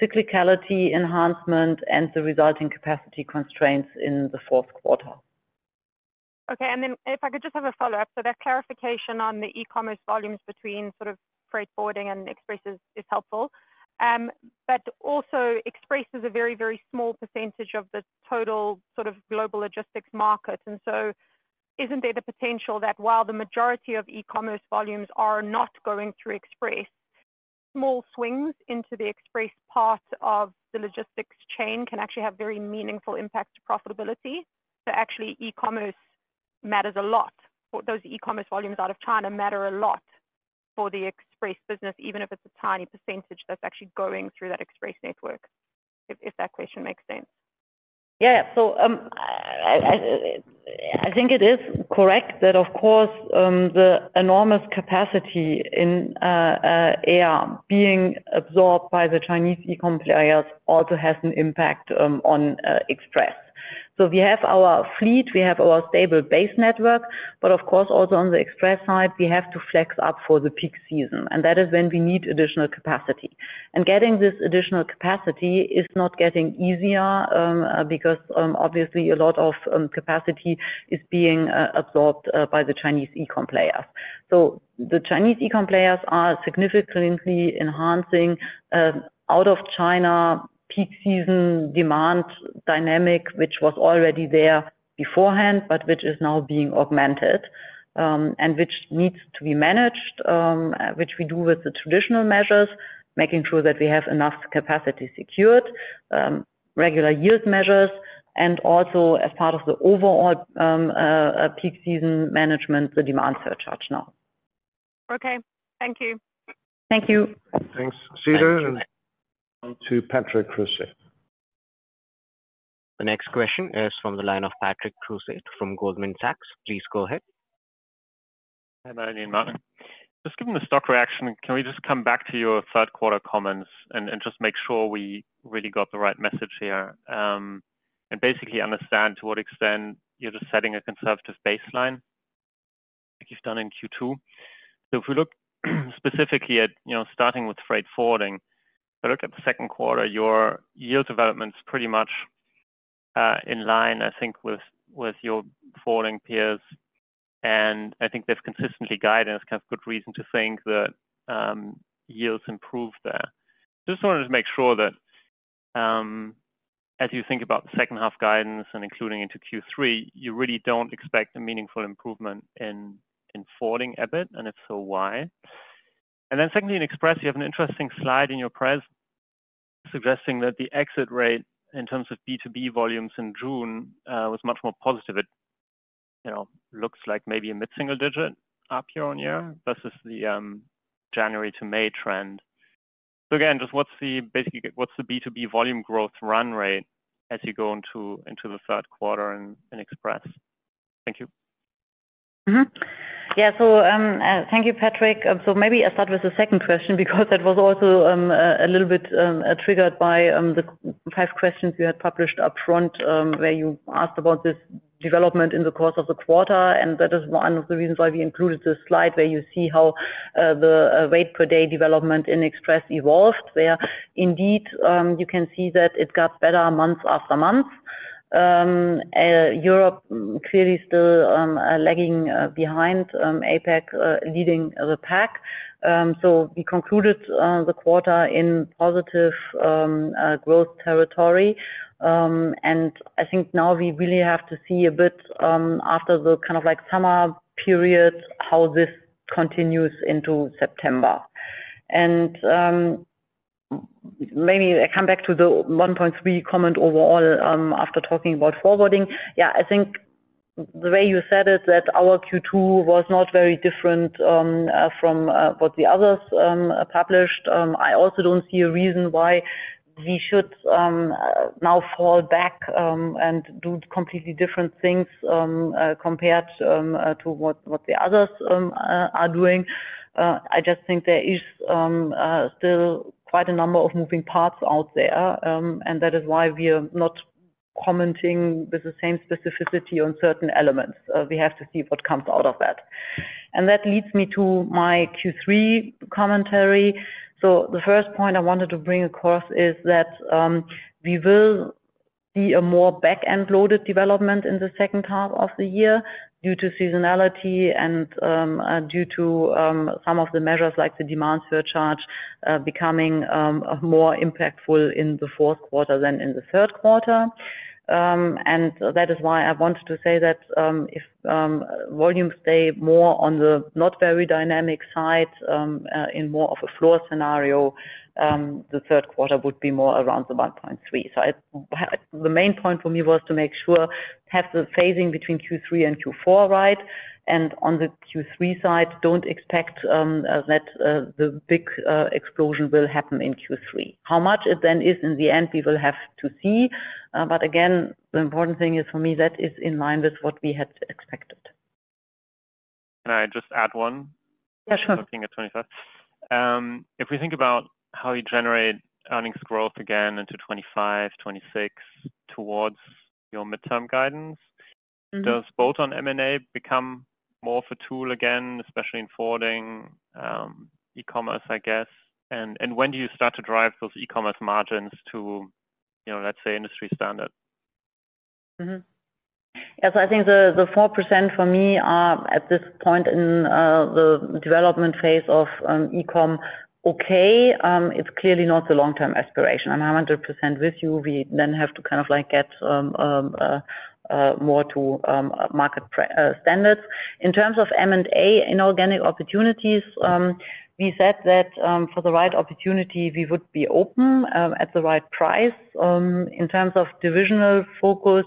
cyclicality enhancement and the resulting capacity constraints in the fourth quarter. Okay, and then if I could just have a follow-up. So that clarification on the e-commerce volumes between sort of freight forwarding and Express is helpful. But also Express is a very, very small percentage of the total sort of global logistics market. And so isn't there the potential that while the majority of e-commerce volumes are not going through Express, small swings into the Express part of the logistics chain can actually have very meaningful impact to profitability? So actually, e-commerce matters a lot. Those e-commerce volumes out of China matter a lot for the Express business, even if it's a tiny percentage that's actually going through that Express network, if that question makes sense. Yeah. So, I think it is correct that, of course, the enormous capacity in air being absorbed by the Chinese e-com players also has an impact on Express. So we have our fleet, we have our stable base network, but of course, also on the Express side, we have to flex up for the peak season, and that is when we need additional capacity. And getting this additional capacity is not getting easier because, obviously a lot of capacity is being absorbed by the Chinese e-com players. So the Chinese e-com players are significantly enhancing, out of China peak season demand dynamic, which was already there beforehand, but which is now being augmented, and which needs to be managed, which we do with the traditional measures, making sure that we have enough capacity secured, regular yield measures, and also as part of the overall, peak season management, the demand surcharge now. Okay. Thank you. Thank you. Thanks, Cedar. On to Patrick Creuset. The next question is from the line of Patrick Creuset from Goldman Sachs. Please go ahead. Hello, Melanie and Martin. Just given the stock reaction, can we just come back to your third quarter comments and, and just make sure we really got the right message here, and basically understand to what extent you're just setting a conservative baseline, like you've done in Q2? So if we look specifically at, you know, starting with freight forwarding, if I look at the second quarter, your yield development is pretty much, in line, I think with, with your forwarding peers.... And I think they've consistently guided us, kind of, good reason to think that, yields improve there. Just wanted to make sure that, as you think about the second half guidance and including into Q3, you really don't expect a meaningful improvement in, in falling EBIT, and if so, why? Then secondly, in Express, you have an interesting slide in your press, suggesting that the exit rate in terms of B2B volumes in June was much more positive. It, you know, looks like maybe a mid-single digit up year-on-year versus the January to May trend. So again, just what's the, basically, what's the B2B volume growth run rate as you go into the third quarter in Express? Thank you. Mm-hmm. Yeah, so thank you, Patrick. So maybe I'll start with the second question, because that was also a little bit triggered by the five questions you had published upfront, where you asked about this development in the course of the quarter, and that is one of the reasons why we included this slide, where you see how the weight per day development in Express evolved. Where indeed, you can see that it got better month after month. Europe clearly still lagging behind APAC, leading the pack. So we concluded the quarter in positive growth territory. And I think now we really have to see a bit after the kind of like summer period, how this continues into September. Maybe I come back to the 1.3 comment overall, after talking about forwarding. Yeah, I think the way you said it, that our Q2 was not very different from what the others published. I also don't see a reason why we should now fall back and do completely different things compared to what the others are doing. I just think there is still quite a number of moving parts out there, and that is why we are not commenting with the same specificity on certain elements. We have to see what comes out of that. And that leads me to my Q3 commentary. So the first point I wanted to bring across is that, we will see a more back-end loaded development in the second half of the year due to seasonality and, due to, some of the measures like the Demand Surcharge, becoming more impactful in the fourth quarter than in the third quarter. That is why I wanted to say that, if volumes stay more on the not very dynamic side, in more of a floor scenario, the third quarter would be more around the 1.3. So, the main point for me was to make sure have the phasing between Q3 and Q4 right, and on the Q3 side, don't expect that the big explosion will happen in Q3. How much it then is in the end, we will have to see. But again, the important thing is for me, that is in line with what we had expected. Can I just add one? Yeah, sure. Looking at 25. If we think about how you generate earnings growth again into 25, 26, towards your midterm guidance- Mm-hmm. - Does both on M&A become more of a tool again, especially in forwarding, e-commerce, I guess? And when do you start to drive those e-commerce margins to, you know, let's say, industry standard? Yes, I think the 4% for me are at this point in the development phase of e-com. Okay, it's clearly not the long-term aspiration. I'm 100% with you. We then have to kind of, like, get more to market pre- standards. In terms of M&A inorganic opportunities, we said that for the right opportunity, we would be open at the right price. In terms of divisional focus,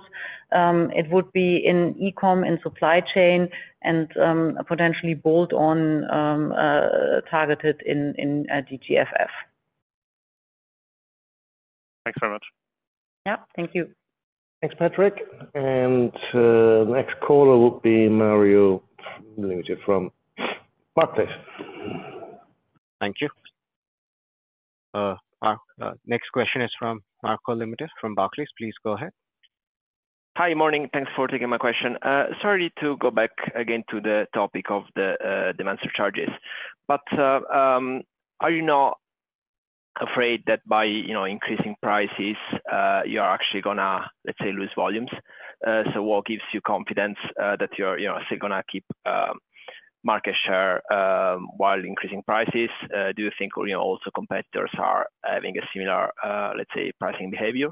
it would be in e-com and supply chain and potentially bolt-on targeted in DGFF. Thanks very much. Yeah. Thank you. Thanks, Patrick. Next caller will be Marco Limite from Barclays. Thank you. Next question is from Marco Limite from Barclays. Please go ahead. Hi, morning. Thanks for taking my question. Sorry to go back again to the topic of the demand surcharges, but are you not afraid that by, you know, increasing prices, you are actually gonna, let's say, lose volumes? So what gives you confidence that you're, you know, still gonna keep market share while increasing prices? Do you think, you know, also competitors are having a similar pricing behavior?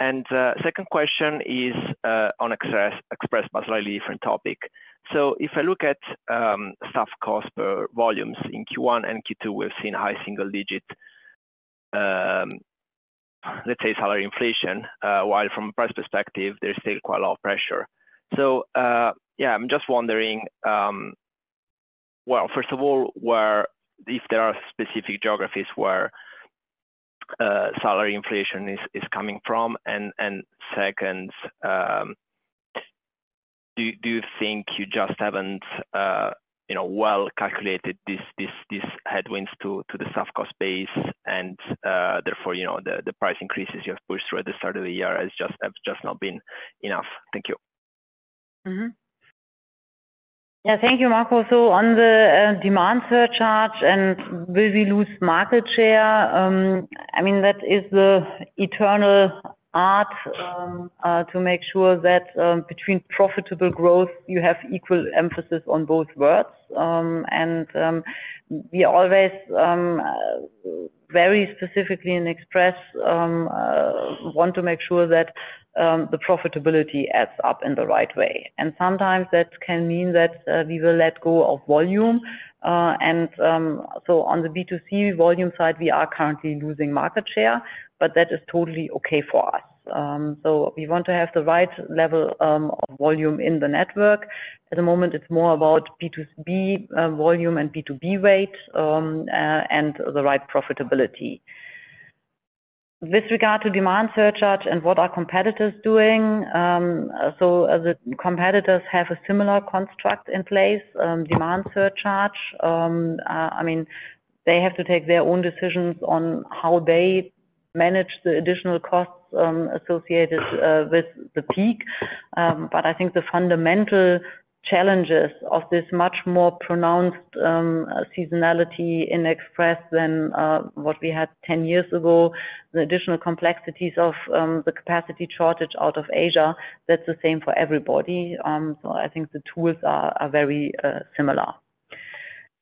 And second question is on Express, but a slightly different topic. So if I look at staff cost per volumes in Q1 and Q2, we've seen high single digit salary inflation while from a price perspective, there's still quite a lot of pressure. So, yeah, I'm just wondering, well, first of all, where if there are specific geographies where salary inflation is coming from? And second, do you think you just haven't, you know, well calculated this headwinds to the soft cost base and, therefore, you know, the price increases you have pushed through at the start of the year have just not been enough? Thank you. Mm-hmm. Yeah, thank you, Marco. So on the demand surcharge and will we lose market share? I mean, that is the eternal art to make sure that between profitable growth, you have equal emphasis on both words. And we always very specifically in express want to make sure that the profitability adds up in the right way. And sometimes that can mean that we will let go of volume. And so on the B2C volume side, we are currently losing market share, but that is totally okay for us. So we want to have the right level of volume in the network. At the moment, it's more about B2B volume and B2B rate and the right profitability. With regard to demand surcharge and what are competitors doing? So the competitors have a similar construct in place, Demand Surcharge. I mean, they have to take their own decisions on how they manage the additional costs associated with the peak. But I think the fundamental challenges of this much more pronounced seasonality in express than what we had 10 years ago, the additional complexities of the capacity shortage out of Asia, that's the same for everybody. So I think the tools are very similar.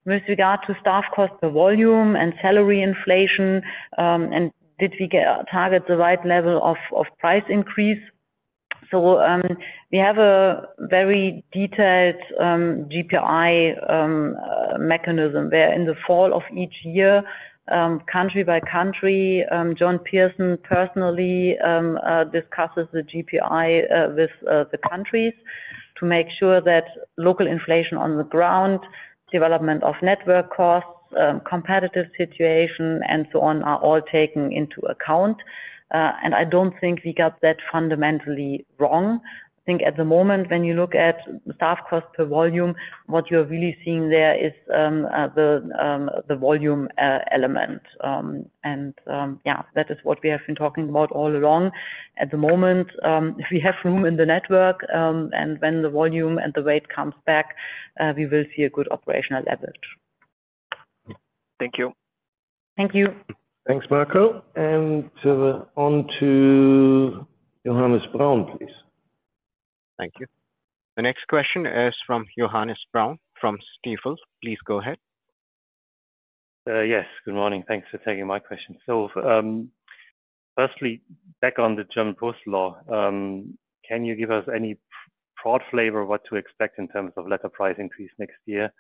With regard to staff cost, the volume and salary inflation, and did we target the right level of price increase? So, we have a very detailed, GPI, mechanism, where in the fall of each year, country by country, John Pearson personally, discusses the GPI, with, the countries to make sure that local inflation on the ground, development of network costs, competitive situation, and so on, are all taken into account. And I don't think we got that fundamentally wrong. I think at the moment, when you look at staff cost per volume, what you're really seeing there is, the volume element. And, yeah, that is what we have been talking about all along. At the moment, we have room in the network, and when the volume and the weight comes back, we will see a good operational leverage. Thank you. Thank you. Thanks, Marco. And so on to Johannes Braun, please. Thank you. The next question is from Johannes Braun from Stifel. Please go ahead. Yes, good morning. Thanks for taking my question. So, firstly, back on the German Post law, can you give us any broad flavor what to expect in terms of letter price increase next year?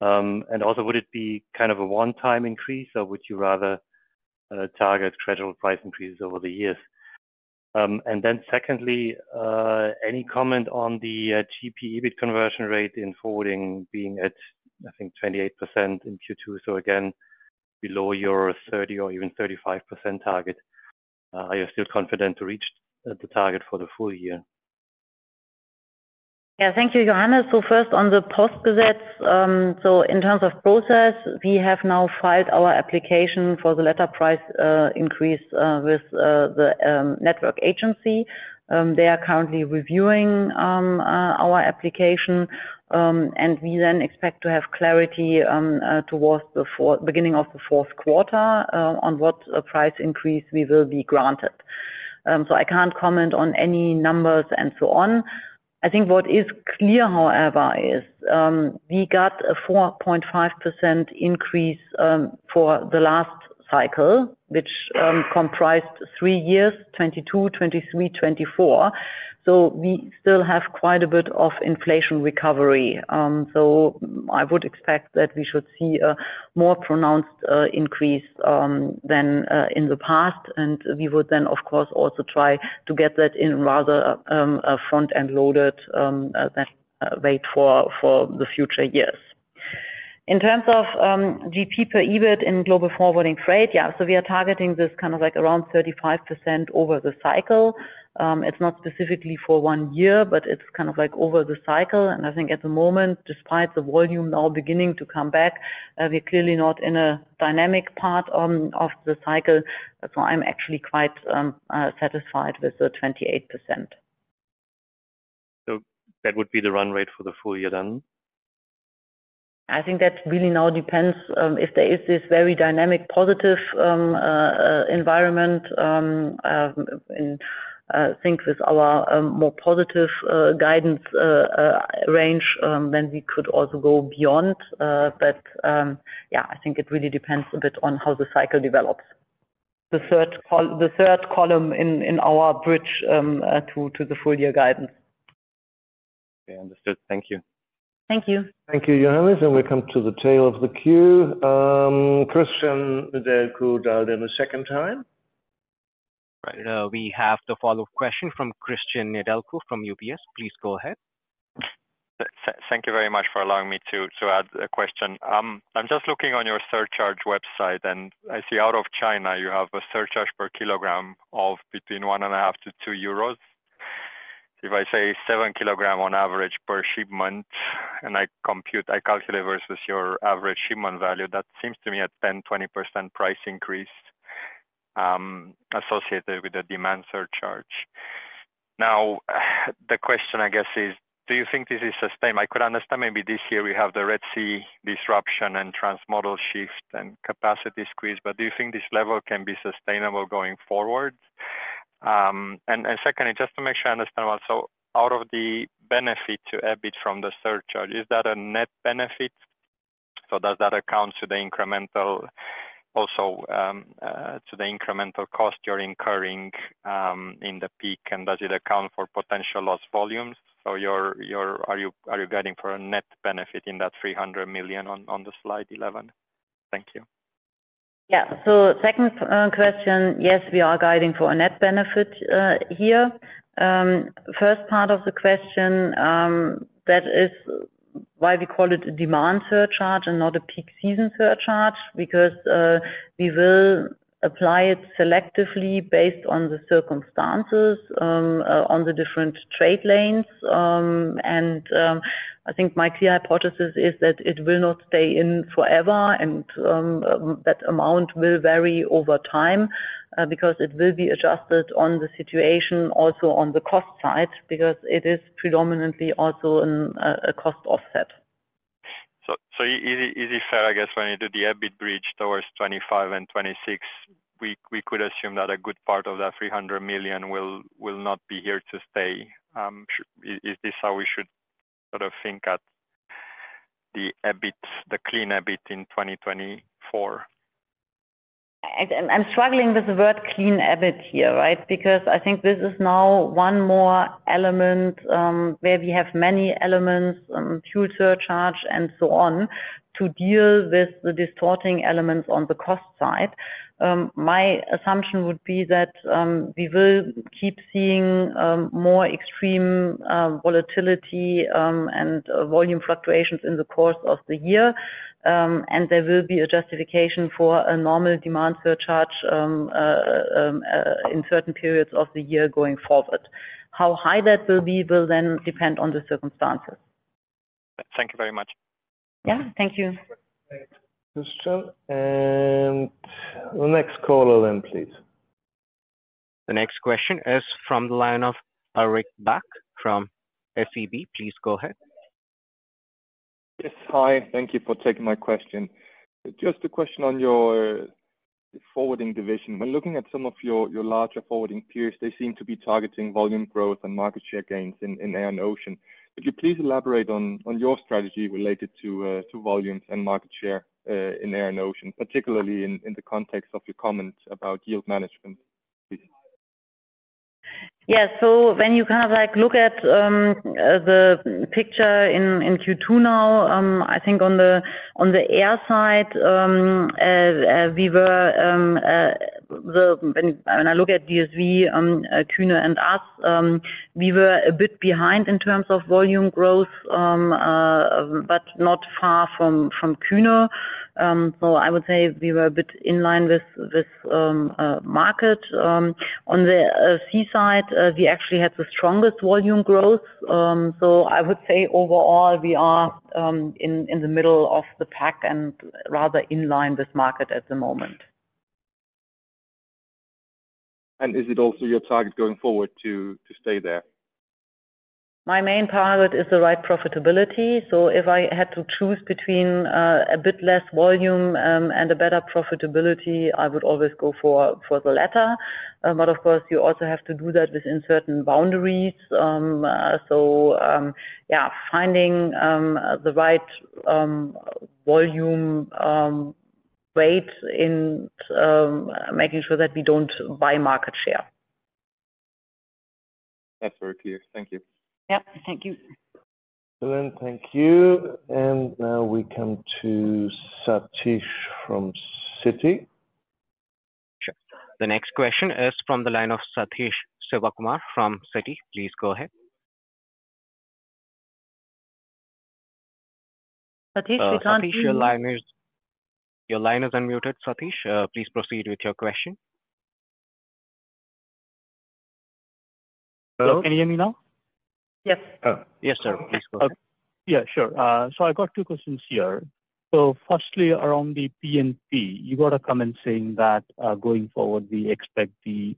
And also, would it be kind of a one-time increase, or would you rather target gradual price increases over the years? And then secondly, any comment on the GP EBIT conversion rate in forwarding being at, I think, 28% in Q2, so again, below your 30% or even 35% target. Are you still confident to reach the target for the full year? Yeah. Thank you, Johannes. So first on the Postgesetz. In terms of process, we have now filed our application for the letter price increase with the network agency. They are currently reviewing our application, and we then expect to have clarity towards the beginning of the fourth quarter on what price increase we will be granted. So I can't comment on any numbers and so on. I think what is clear, however, is we got a 4.5% increase for the last cycle, which comprised three years, 2022, 2023, 2024. So we still have quite a bit of inflation recovery. So I would expect that we should see a more pronounced increase than in the past, and we would then, of course, also try to get that in rather a front-end loaded rate for the future years. In terms of GP per EBIT in Global Forwarding Freight, yeah, so we are targeting this kind of like around 35% over the cycle. It's not specifically for one year, but it's kind of like over the cycle. And I think at the moment, despite the volume now beginning to come back, we're clearly not in a dynamic part of the cycle. That's why I'm actually quite satisfied with the 28%. That would be the run rate for the full year then? I think that really now depends if there is this very dynamic, positive environment in I think with our more positive guidance range then we could also go beyond. But yeah, I think it really depends a bit on how the cycle develops. The third column in our bridge to the full year guidance. Okay, understood. Thank you. Thank you. Thank you, Johannes. We come to the tail of the queue. Cristian Nedelcu, dialed in a second time. Right. We have the follow-up question from Cristian Nedelcu from UBS. Please go ahead. Thank you very much for allowing me to add a question. I'm just looking on your surcharge website, and I see out of China, you have a surcharge per kilogram of between 1.5-2 euros. If I say 7 kilogram on average per shipment, and I calculate versus your average shipment value, that seems to me a 10%-20% price increase associated with the demand surcharge. Now, the question, I guess, is, do you think this is, I could understand maybe this year we have the Red Sea disruption and transmodal shift and capacity squeeze, but do you think this level can be sustainable going forward? And secondly, just to make sure I understand well. So out of the benefit to EBIT from the surcharge, is that a net benefit? So does that account to the incremental also, to the incremental cost you're incurring, in the peak? And does it account for potential loss volumes? So are you guiding for a net benefit in that 300 million on the slide 11? Thank you. Yeah. So second question, yes, we are guiding for a net benefit here. First part of the question, that is why we call it a demand surcharge and not a peak season surcharge, because we will apply it selectively based on the circumstances on the different trade lanes. And I think my key hypothesis is that it will not stay in forever, and that amount will vary over time because it will be adjusted on the situation, also on the cost side, because it is predominantly also a cost offset. So, is it fair, I guess, when you do the EBIT bridge towards 25 and 26, we could assume that a good part of that 300 million will not be here to stay? Is this how we should sort of think about the EBIT, the clean EBIT in 2024? I'm struggling with the word clean EBIT here, right? Because I think this is now one more element, where we have many elements, fuel surcharge, and so on, to deal with the distorting elements on the cost side. My assumption would be that we will keep seeing more extreme volatility and volume fluctuations in the course of the year. There will be a justification for a normal demand surcharge in certain periods of the year going forward. How high that will be will then depend on the circumstances. Thank you very much. Yeah. Thank you. Question. And the next caller then, please. The next question is from the line of Ulrik Bak from SEB. Please go ahead. Yes. Hi, thank you for taking my question. Just a question on your forwarding division. When looking at some of your larger forwarding peers, they seem to be targeting volume growth and market share gains in air and ocean. Could you please elaborate on your strategy related to volumes and market share in air and ocean, particularly in the context of your comments about yield management, please? Yeah. So when you kind of, like, look at the picture in Q2 now, I think on the air side, we were, when I look at DSV, Kuehne and us, we were a bit behind in terms of volume growth, but not far from Kuehne. So I would say we were a bit in line with market. On the sea side, we actually had the strongest volume growth. So I would say overall we are in the middle of the pack and rather in line with market at the moment. Is it also your target going forward to, to stay there? My main target is the right profitability. So if I had to choose between a bit less volume and a better profitability, I would always go for the latter. But of course, you also have to do that within certain boundaries. So yeah, finding the right volume weight in making sure that we don't buy market share. That's very clear. Thank you. Yep. Thank you. Well, thank you. And now we come to Sathish from Citi. Sure. The next question is from the line of Sathish Sivakumar from Citi. Please go ahead. Sathish, we can't hear you. Sathish, your line is unmuted, Sathish. Please proceed with your question. Hello. Can you hear me now? Yes. Oh. Yes, sir. Please go ahead. Yeah, sure. So I've got two questions here. So firstly, around the P&P, you got a comment saying that, going forward, we expect the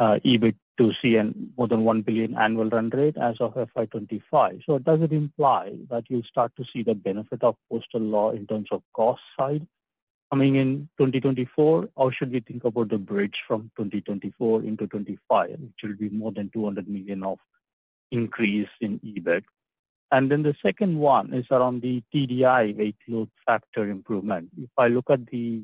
EBIT to see a more than 1 billion annual run rate as of FY 2025. So does it imply that you'll start to see the benefit of Postgesetz in terms of cost side coming in 2024? Or should we think about the bridge from 2024 into 2025, which will be more than 200 million of increase in EBIT? And then the second one is around the TDI Weight Load Factor improvement. If I look at the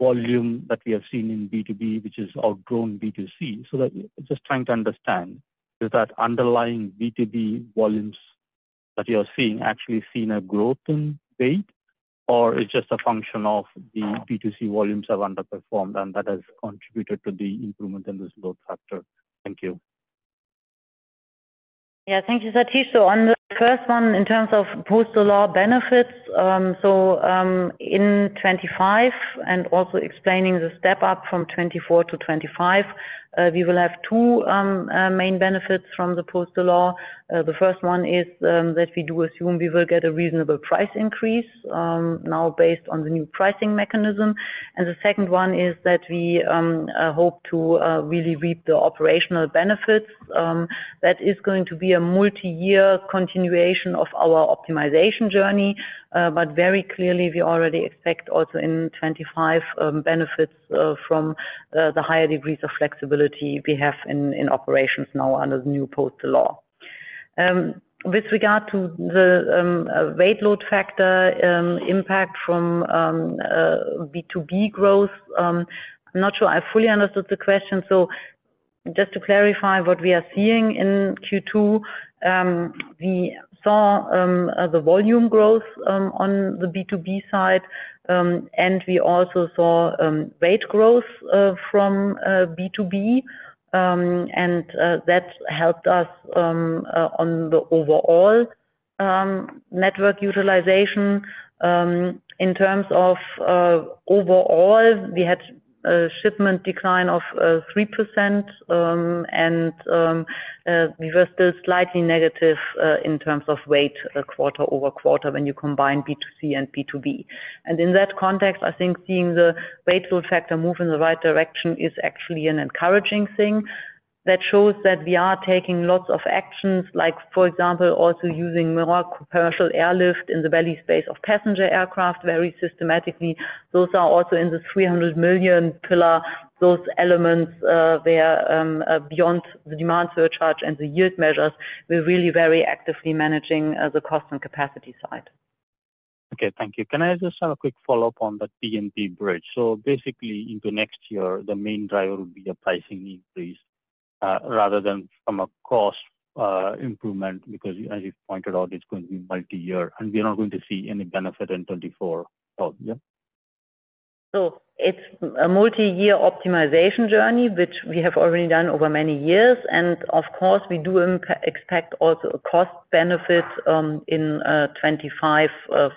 volume that we have seen in B2B, which has outgrown B2C, so that... Just trying to understand, is that underlying B2B volumes that you are seeing actually a growth in weight, or it's just a function of the B2C volumes have underperformed and that has contributed to the improvement in this load factor? Thank you. Yeah. Thank you, Sathish. So on the first one, in terms of postal law benefits, in 2025 and also explaining the step up from 2024 to 2025, we will have two main benefits from the postal law. The first one is that we do assume we will get a reasonable price increase now based on the new pricing mechanism. And the second one is that we hope to really reap the operational benefits. That is going to be a multi-year continuation of our optimization journey, but very clearly, we already expect also in 2025 benefits from the higher degrees of flexibility we have in operations now under the new postal law. With regard to the weight load factor impact from B2B growth, I'm not sure I fully understood the question. So just to clarify what we are seeing in Q2, we saw the volume growth on the B2B side, and we also saw weight growth from B2B. That helped us on the overall network utilization. In terms of overall, we had a shipment decline of 3%, and we were still slightly negative in terms of weight quarter-over-quarter when you combine B2C and B2B. And in that context, I think seeing the weight load factor move in the right direction is actually an encouraging thing that shows that we are taking lots of actions, like, for example, also using more commercial airlift in the belly space of passenger aircraft very systematically. Those are also in the 300 million pillar, those elements, where beyond the demand surcharge and the yield measures, we're really very actively managing the cost and capacity side. Okay, thank you. Can I just have a quick follow-up on the P&P bridge? So basically, into next year, the main driver will be a pricing increase, rather than from a cost improvement, because as you pointed out, it's going to be multi-year, and we are not going to see any benefit in 2024, yeah? So it's a multi-year optimization journey, which we have already done over many years. And of course, we do expect also a cost benefit in 2025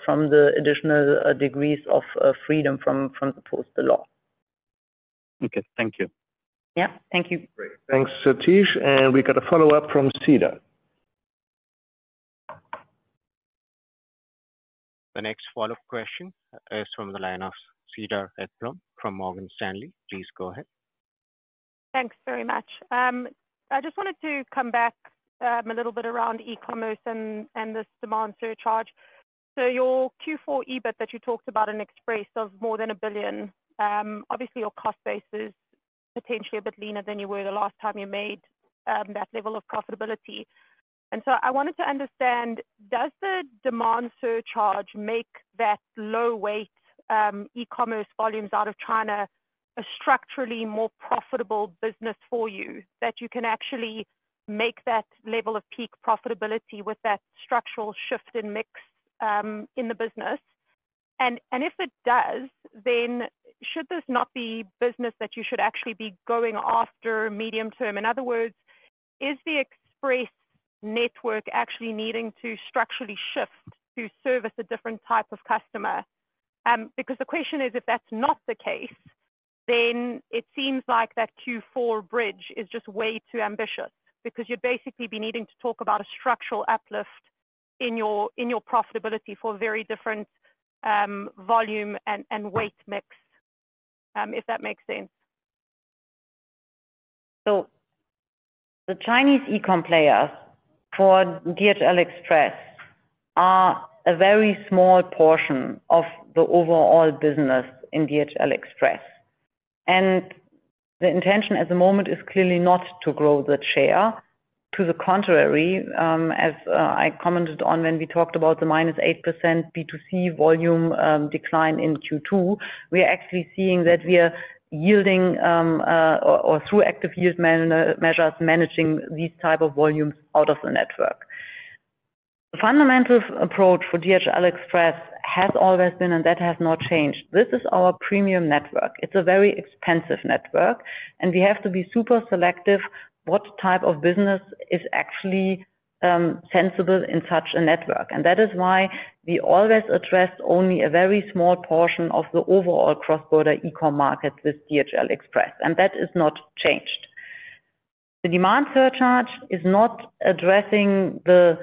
from the additional degrees of freedom from Postgesetz. Okay, thank you. Yeah. Thank you. Great. Thanks, Sathish. And we got a follow-up from Cedar. The next follow-up question is from the line of Cedar Ekblom from Morgan Stanley. Please go ahead. Thanks very much. I just wanted to come back, a little bit around e-commerce and, and this demand surcharge. So your Q4 EBIT that you talked about in Express of more than 1 billion, obviously your cost base is potentially a bit leaner than you were the last time you made, that level of profitability. And so I wanted to understand, does the demand surcharge make that low weight, e-commerce volumes out of China, a structurally more profitable business for you, that you can actually make that level of peak profitability with that structural shift in mix, in the business? And if it does, then should this not be business that you should actually be going after medium-term? In other words, is the Express network actually needing to structurally shift to service a different type of customer? Because the question is, if that's not the case, then it seems like that Q4 bridge is just way too ambitious, because you'd basically be needing to talk about a structural uplift in your, in your profitability for a very different, volume and, and weight mix, if that makes sense. So the Chinese e-com players for DHL Express are a very small portion of the overall business in DHL Express, and the intention at the moment is clearly not to grow the share. To the contrary, as I commented on when we talked about the -8% B2C volume decline in Q2, we are actually seeing that we are yielding, or through active yield management measures, managing these type of volumes out of the network. The fundamental approach for DHL Express has always been, and that has not changed. This is our premium network. It's a very expensive network, and we have to be super selective what type of business is actually sensible in such a network. And that is why we always address only a very small portion of the overall cross-border e-com market with DHL Express, and that is not changed. The Demand Surcharge is not addressing the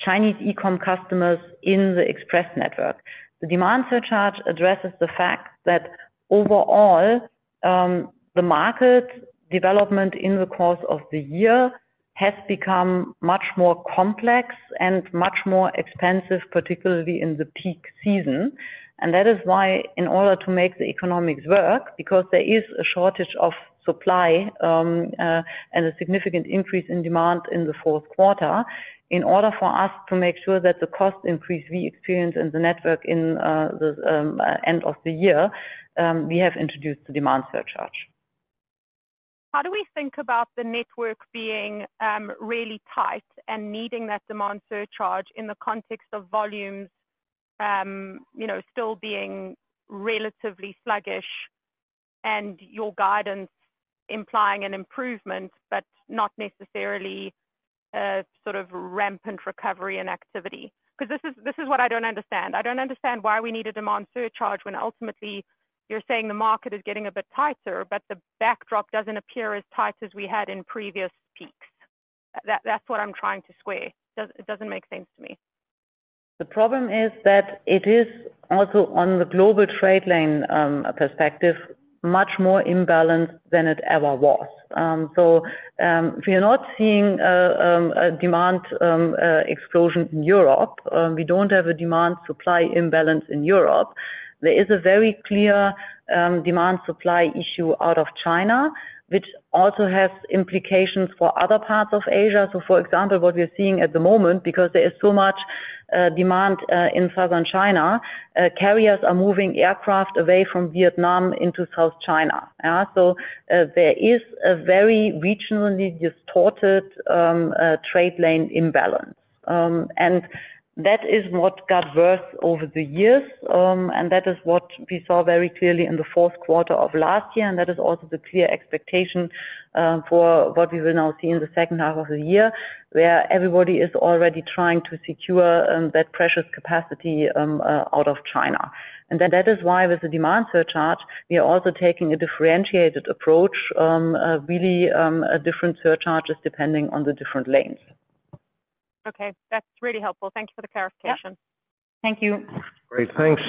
Chinese e-com customers in the Express network. The Demand Surcharge addresses the fact that overall, the market development in the course of the year has become much more complex and much more expensive, particularly in the peak season. That is why in order to make the economics work, because there is a shortage of supply, and a significant increase in demand in the fourth quarter, in order for us to make sure that the cost increase we experience in the network in the end of the year, we have introduced the Demand Surcharge. How do we think about the network being really tight and needing that demand surcharge in the context of volumes, you know, still being relatively sluggish and your guidance implying an improvement, but not necessarily a sort of rampant recovery and activity? Because this is, this is what I don't understand. I don't understand why we need a demand surcharge when ultimately you're saying the market is getting a bit tighter, but the backdrop doesn't appear as tight as we had in previous peaks. That, that's what I'm trying to square. It doesn't make sense to me. The problem is that it is also on the global trade lane perspective, much more imbalanced than it ever was. So, we are not seeing a demand explosion in Europe. We don't have a demand supply imbalance in Europe. There is a very clear demand supply issue out of China, which also has implications for other parts of Asia. So for example, what we are seeing at the moment, because there is so much demand in South China, carriers are moving aircraft away from Vietnam into South China. So, there is a very regionally distorted trade lane imbalance. That is what got worse over the years, and that is what we saw very clearly in the fourth quarter of last year, and that is also the clear expectation for what we will now see in the second half of the year, where everybody is already trying to secure that precious capacity out of China. And then that is why with the demand surcharge, we are also taking a differentiated approach, really, a different surcharges depending on the different lanes. Okay. That's really helpful. Thank you for the clarification. Yep. Thank you. Great. Thanks,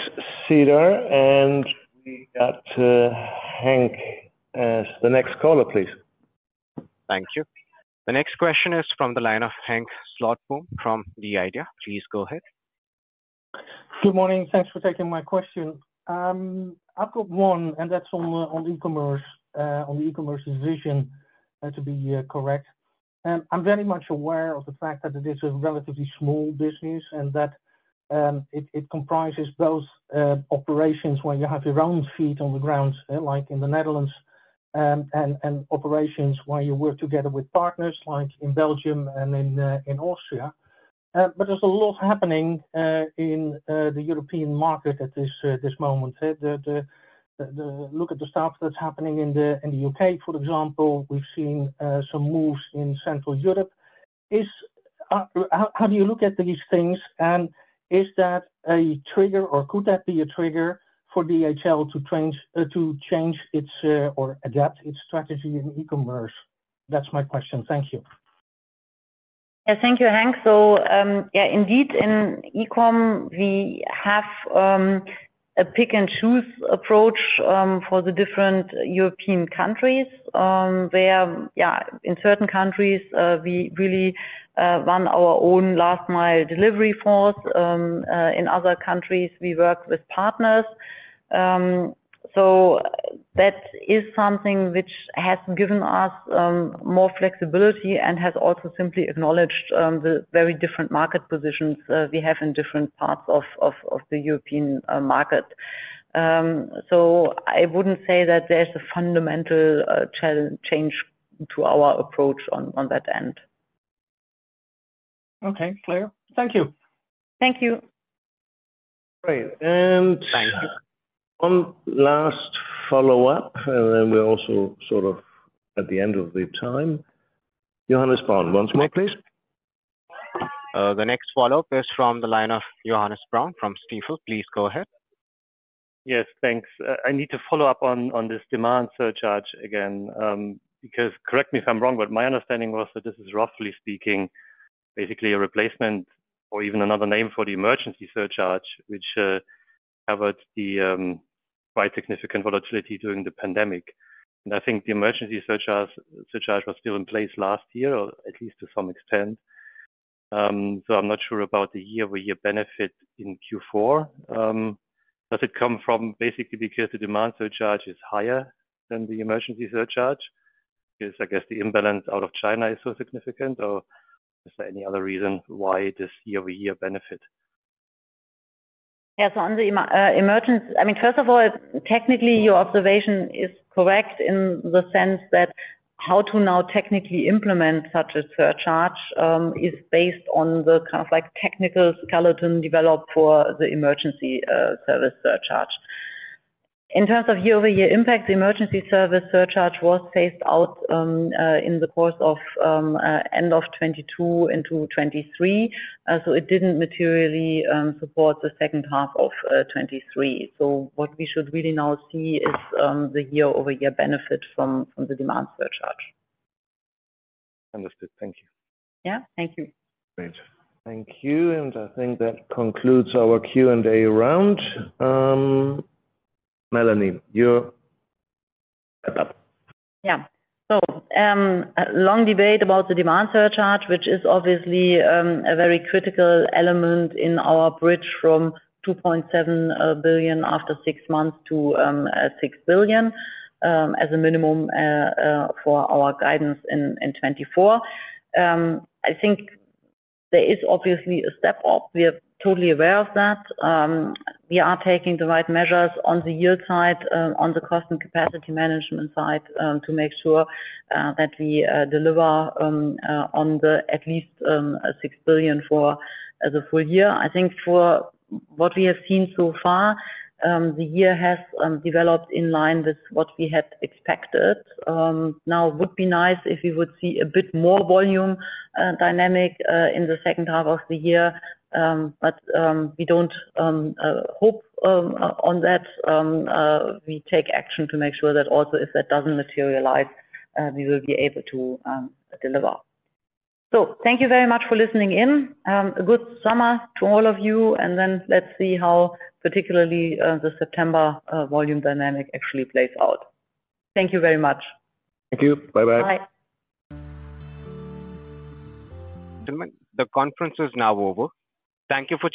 Cedar. And we got, Henk as the next caller, please. Thank you. The next question is from the line of Henk Slotboom from The Idea. Please go ahead. Good morning. Thanks for taking my question. I've got one, and that's on e-commerce, on the e-commerce division, to be correct. I'm very much aware of the fact that this is a relatively small business, and that it comprises those operations where you have your own feet on the ground, like in the Netherlands, and operations where you work together with partners, like in Belgium and in Austria. But there's a lot happening in the European market at this moment. Look at the stuff that's happening in the UK, for example. We've seen some moves in Central Europe. Is... How, how do you look at these things, and is that a trigger, or could that be a trigger for DHL to change, to change its, or adapt its strategy in e-commerce? That's my question. Thank you. Yeah, thank you, Henk. So, yeah, indeed, in e-com, we have a pick and choose approach for the different European countries. Where, yeah, in certain countries, we really run our own last mile delivery force. In other countries, we work with partners. So that is something which has given us more flexibility and has also simply acknowledged the very different market positions we have in different parts of the European market. So I wouldn't say that there's a fundamental change to our approach on that end. Okay, clear. Thank you. Thank you. Great, and- Thank you. One last follow-up, and then we're also sort of at the end of the time. Johannes Braun, once more, please. The next follow-up is from the line of Johannes Braun from Stifel. Please go ahead. Yes, thanks. I need to follow up on this Demand Surcharge again. Because, correct me if I'm wrong, but my understanding was that this is, roughly speaking, basically a replacement or even another name for the Emergency Situation Surcharge, which covered the quite significant volatility during the pandemic. And I think the Emergency Situation Surcharge was still in place last year, or at least to some extent. So I'm not sure about the year-over-year benefit in Q4. Does it come from basically because the Demand Surcharge is higher than the Emergency Situation Surcharge? Because I guess the imbalance out of China is so significant, or is there any other reason why this year-over-year benefit? Yeah, so on the emergency... I mean, first of all, technically, your observation is correct in the sense that how to now technically implement such a surcharge is based on the kind of like technical skeleton developed for the Emergency Situation Surcharge. In terms of year-over-year impact, the Emergency Situation Surcharge was phased out in the course of end of 2022 into 2023. So it didn't materially support the second half of 2023. So what we should really now see is the year-over-year benefit from, from the demand surcharge. Understood. Thank you. Yeah, thank you. Great. Thank you, and I think that concludes our Q&A round. Melanie, you're up. Yeah. So, long debate about the demand surcharge, which is obviously a very critical element in our bridge from 2.7 billion after six months to 6 billion as a minimum for our guidance in 2024. I think there is obviously a step up. We are totally aware of that. We are taking the right measures on the yield side, on the cost and capacity management side, to make sure that we deliver on at least 6 billion for the full year. I think for what we have seen so far, the year has developed in line with what we had expected. Now, it would be nice if we would see a bit more volume dynamic in the second half of the year, but we don't hope on that. We take action to make sure that also, if that doesn't materialize, we will be able to deliver. So thank you very much for listening in. A good summer to all of you, and then let's see how particularly the September volume dynamic actually plays out. Thank you very much. Thank you. Bye-bye. Bye. Gentlemen, the conference is now over. Thank you for joining-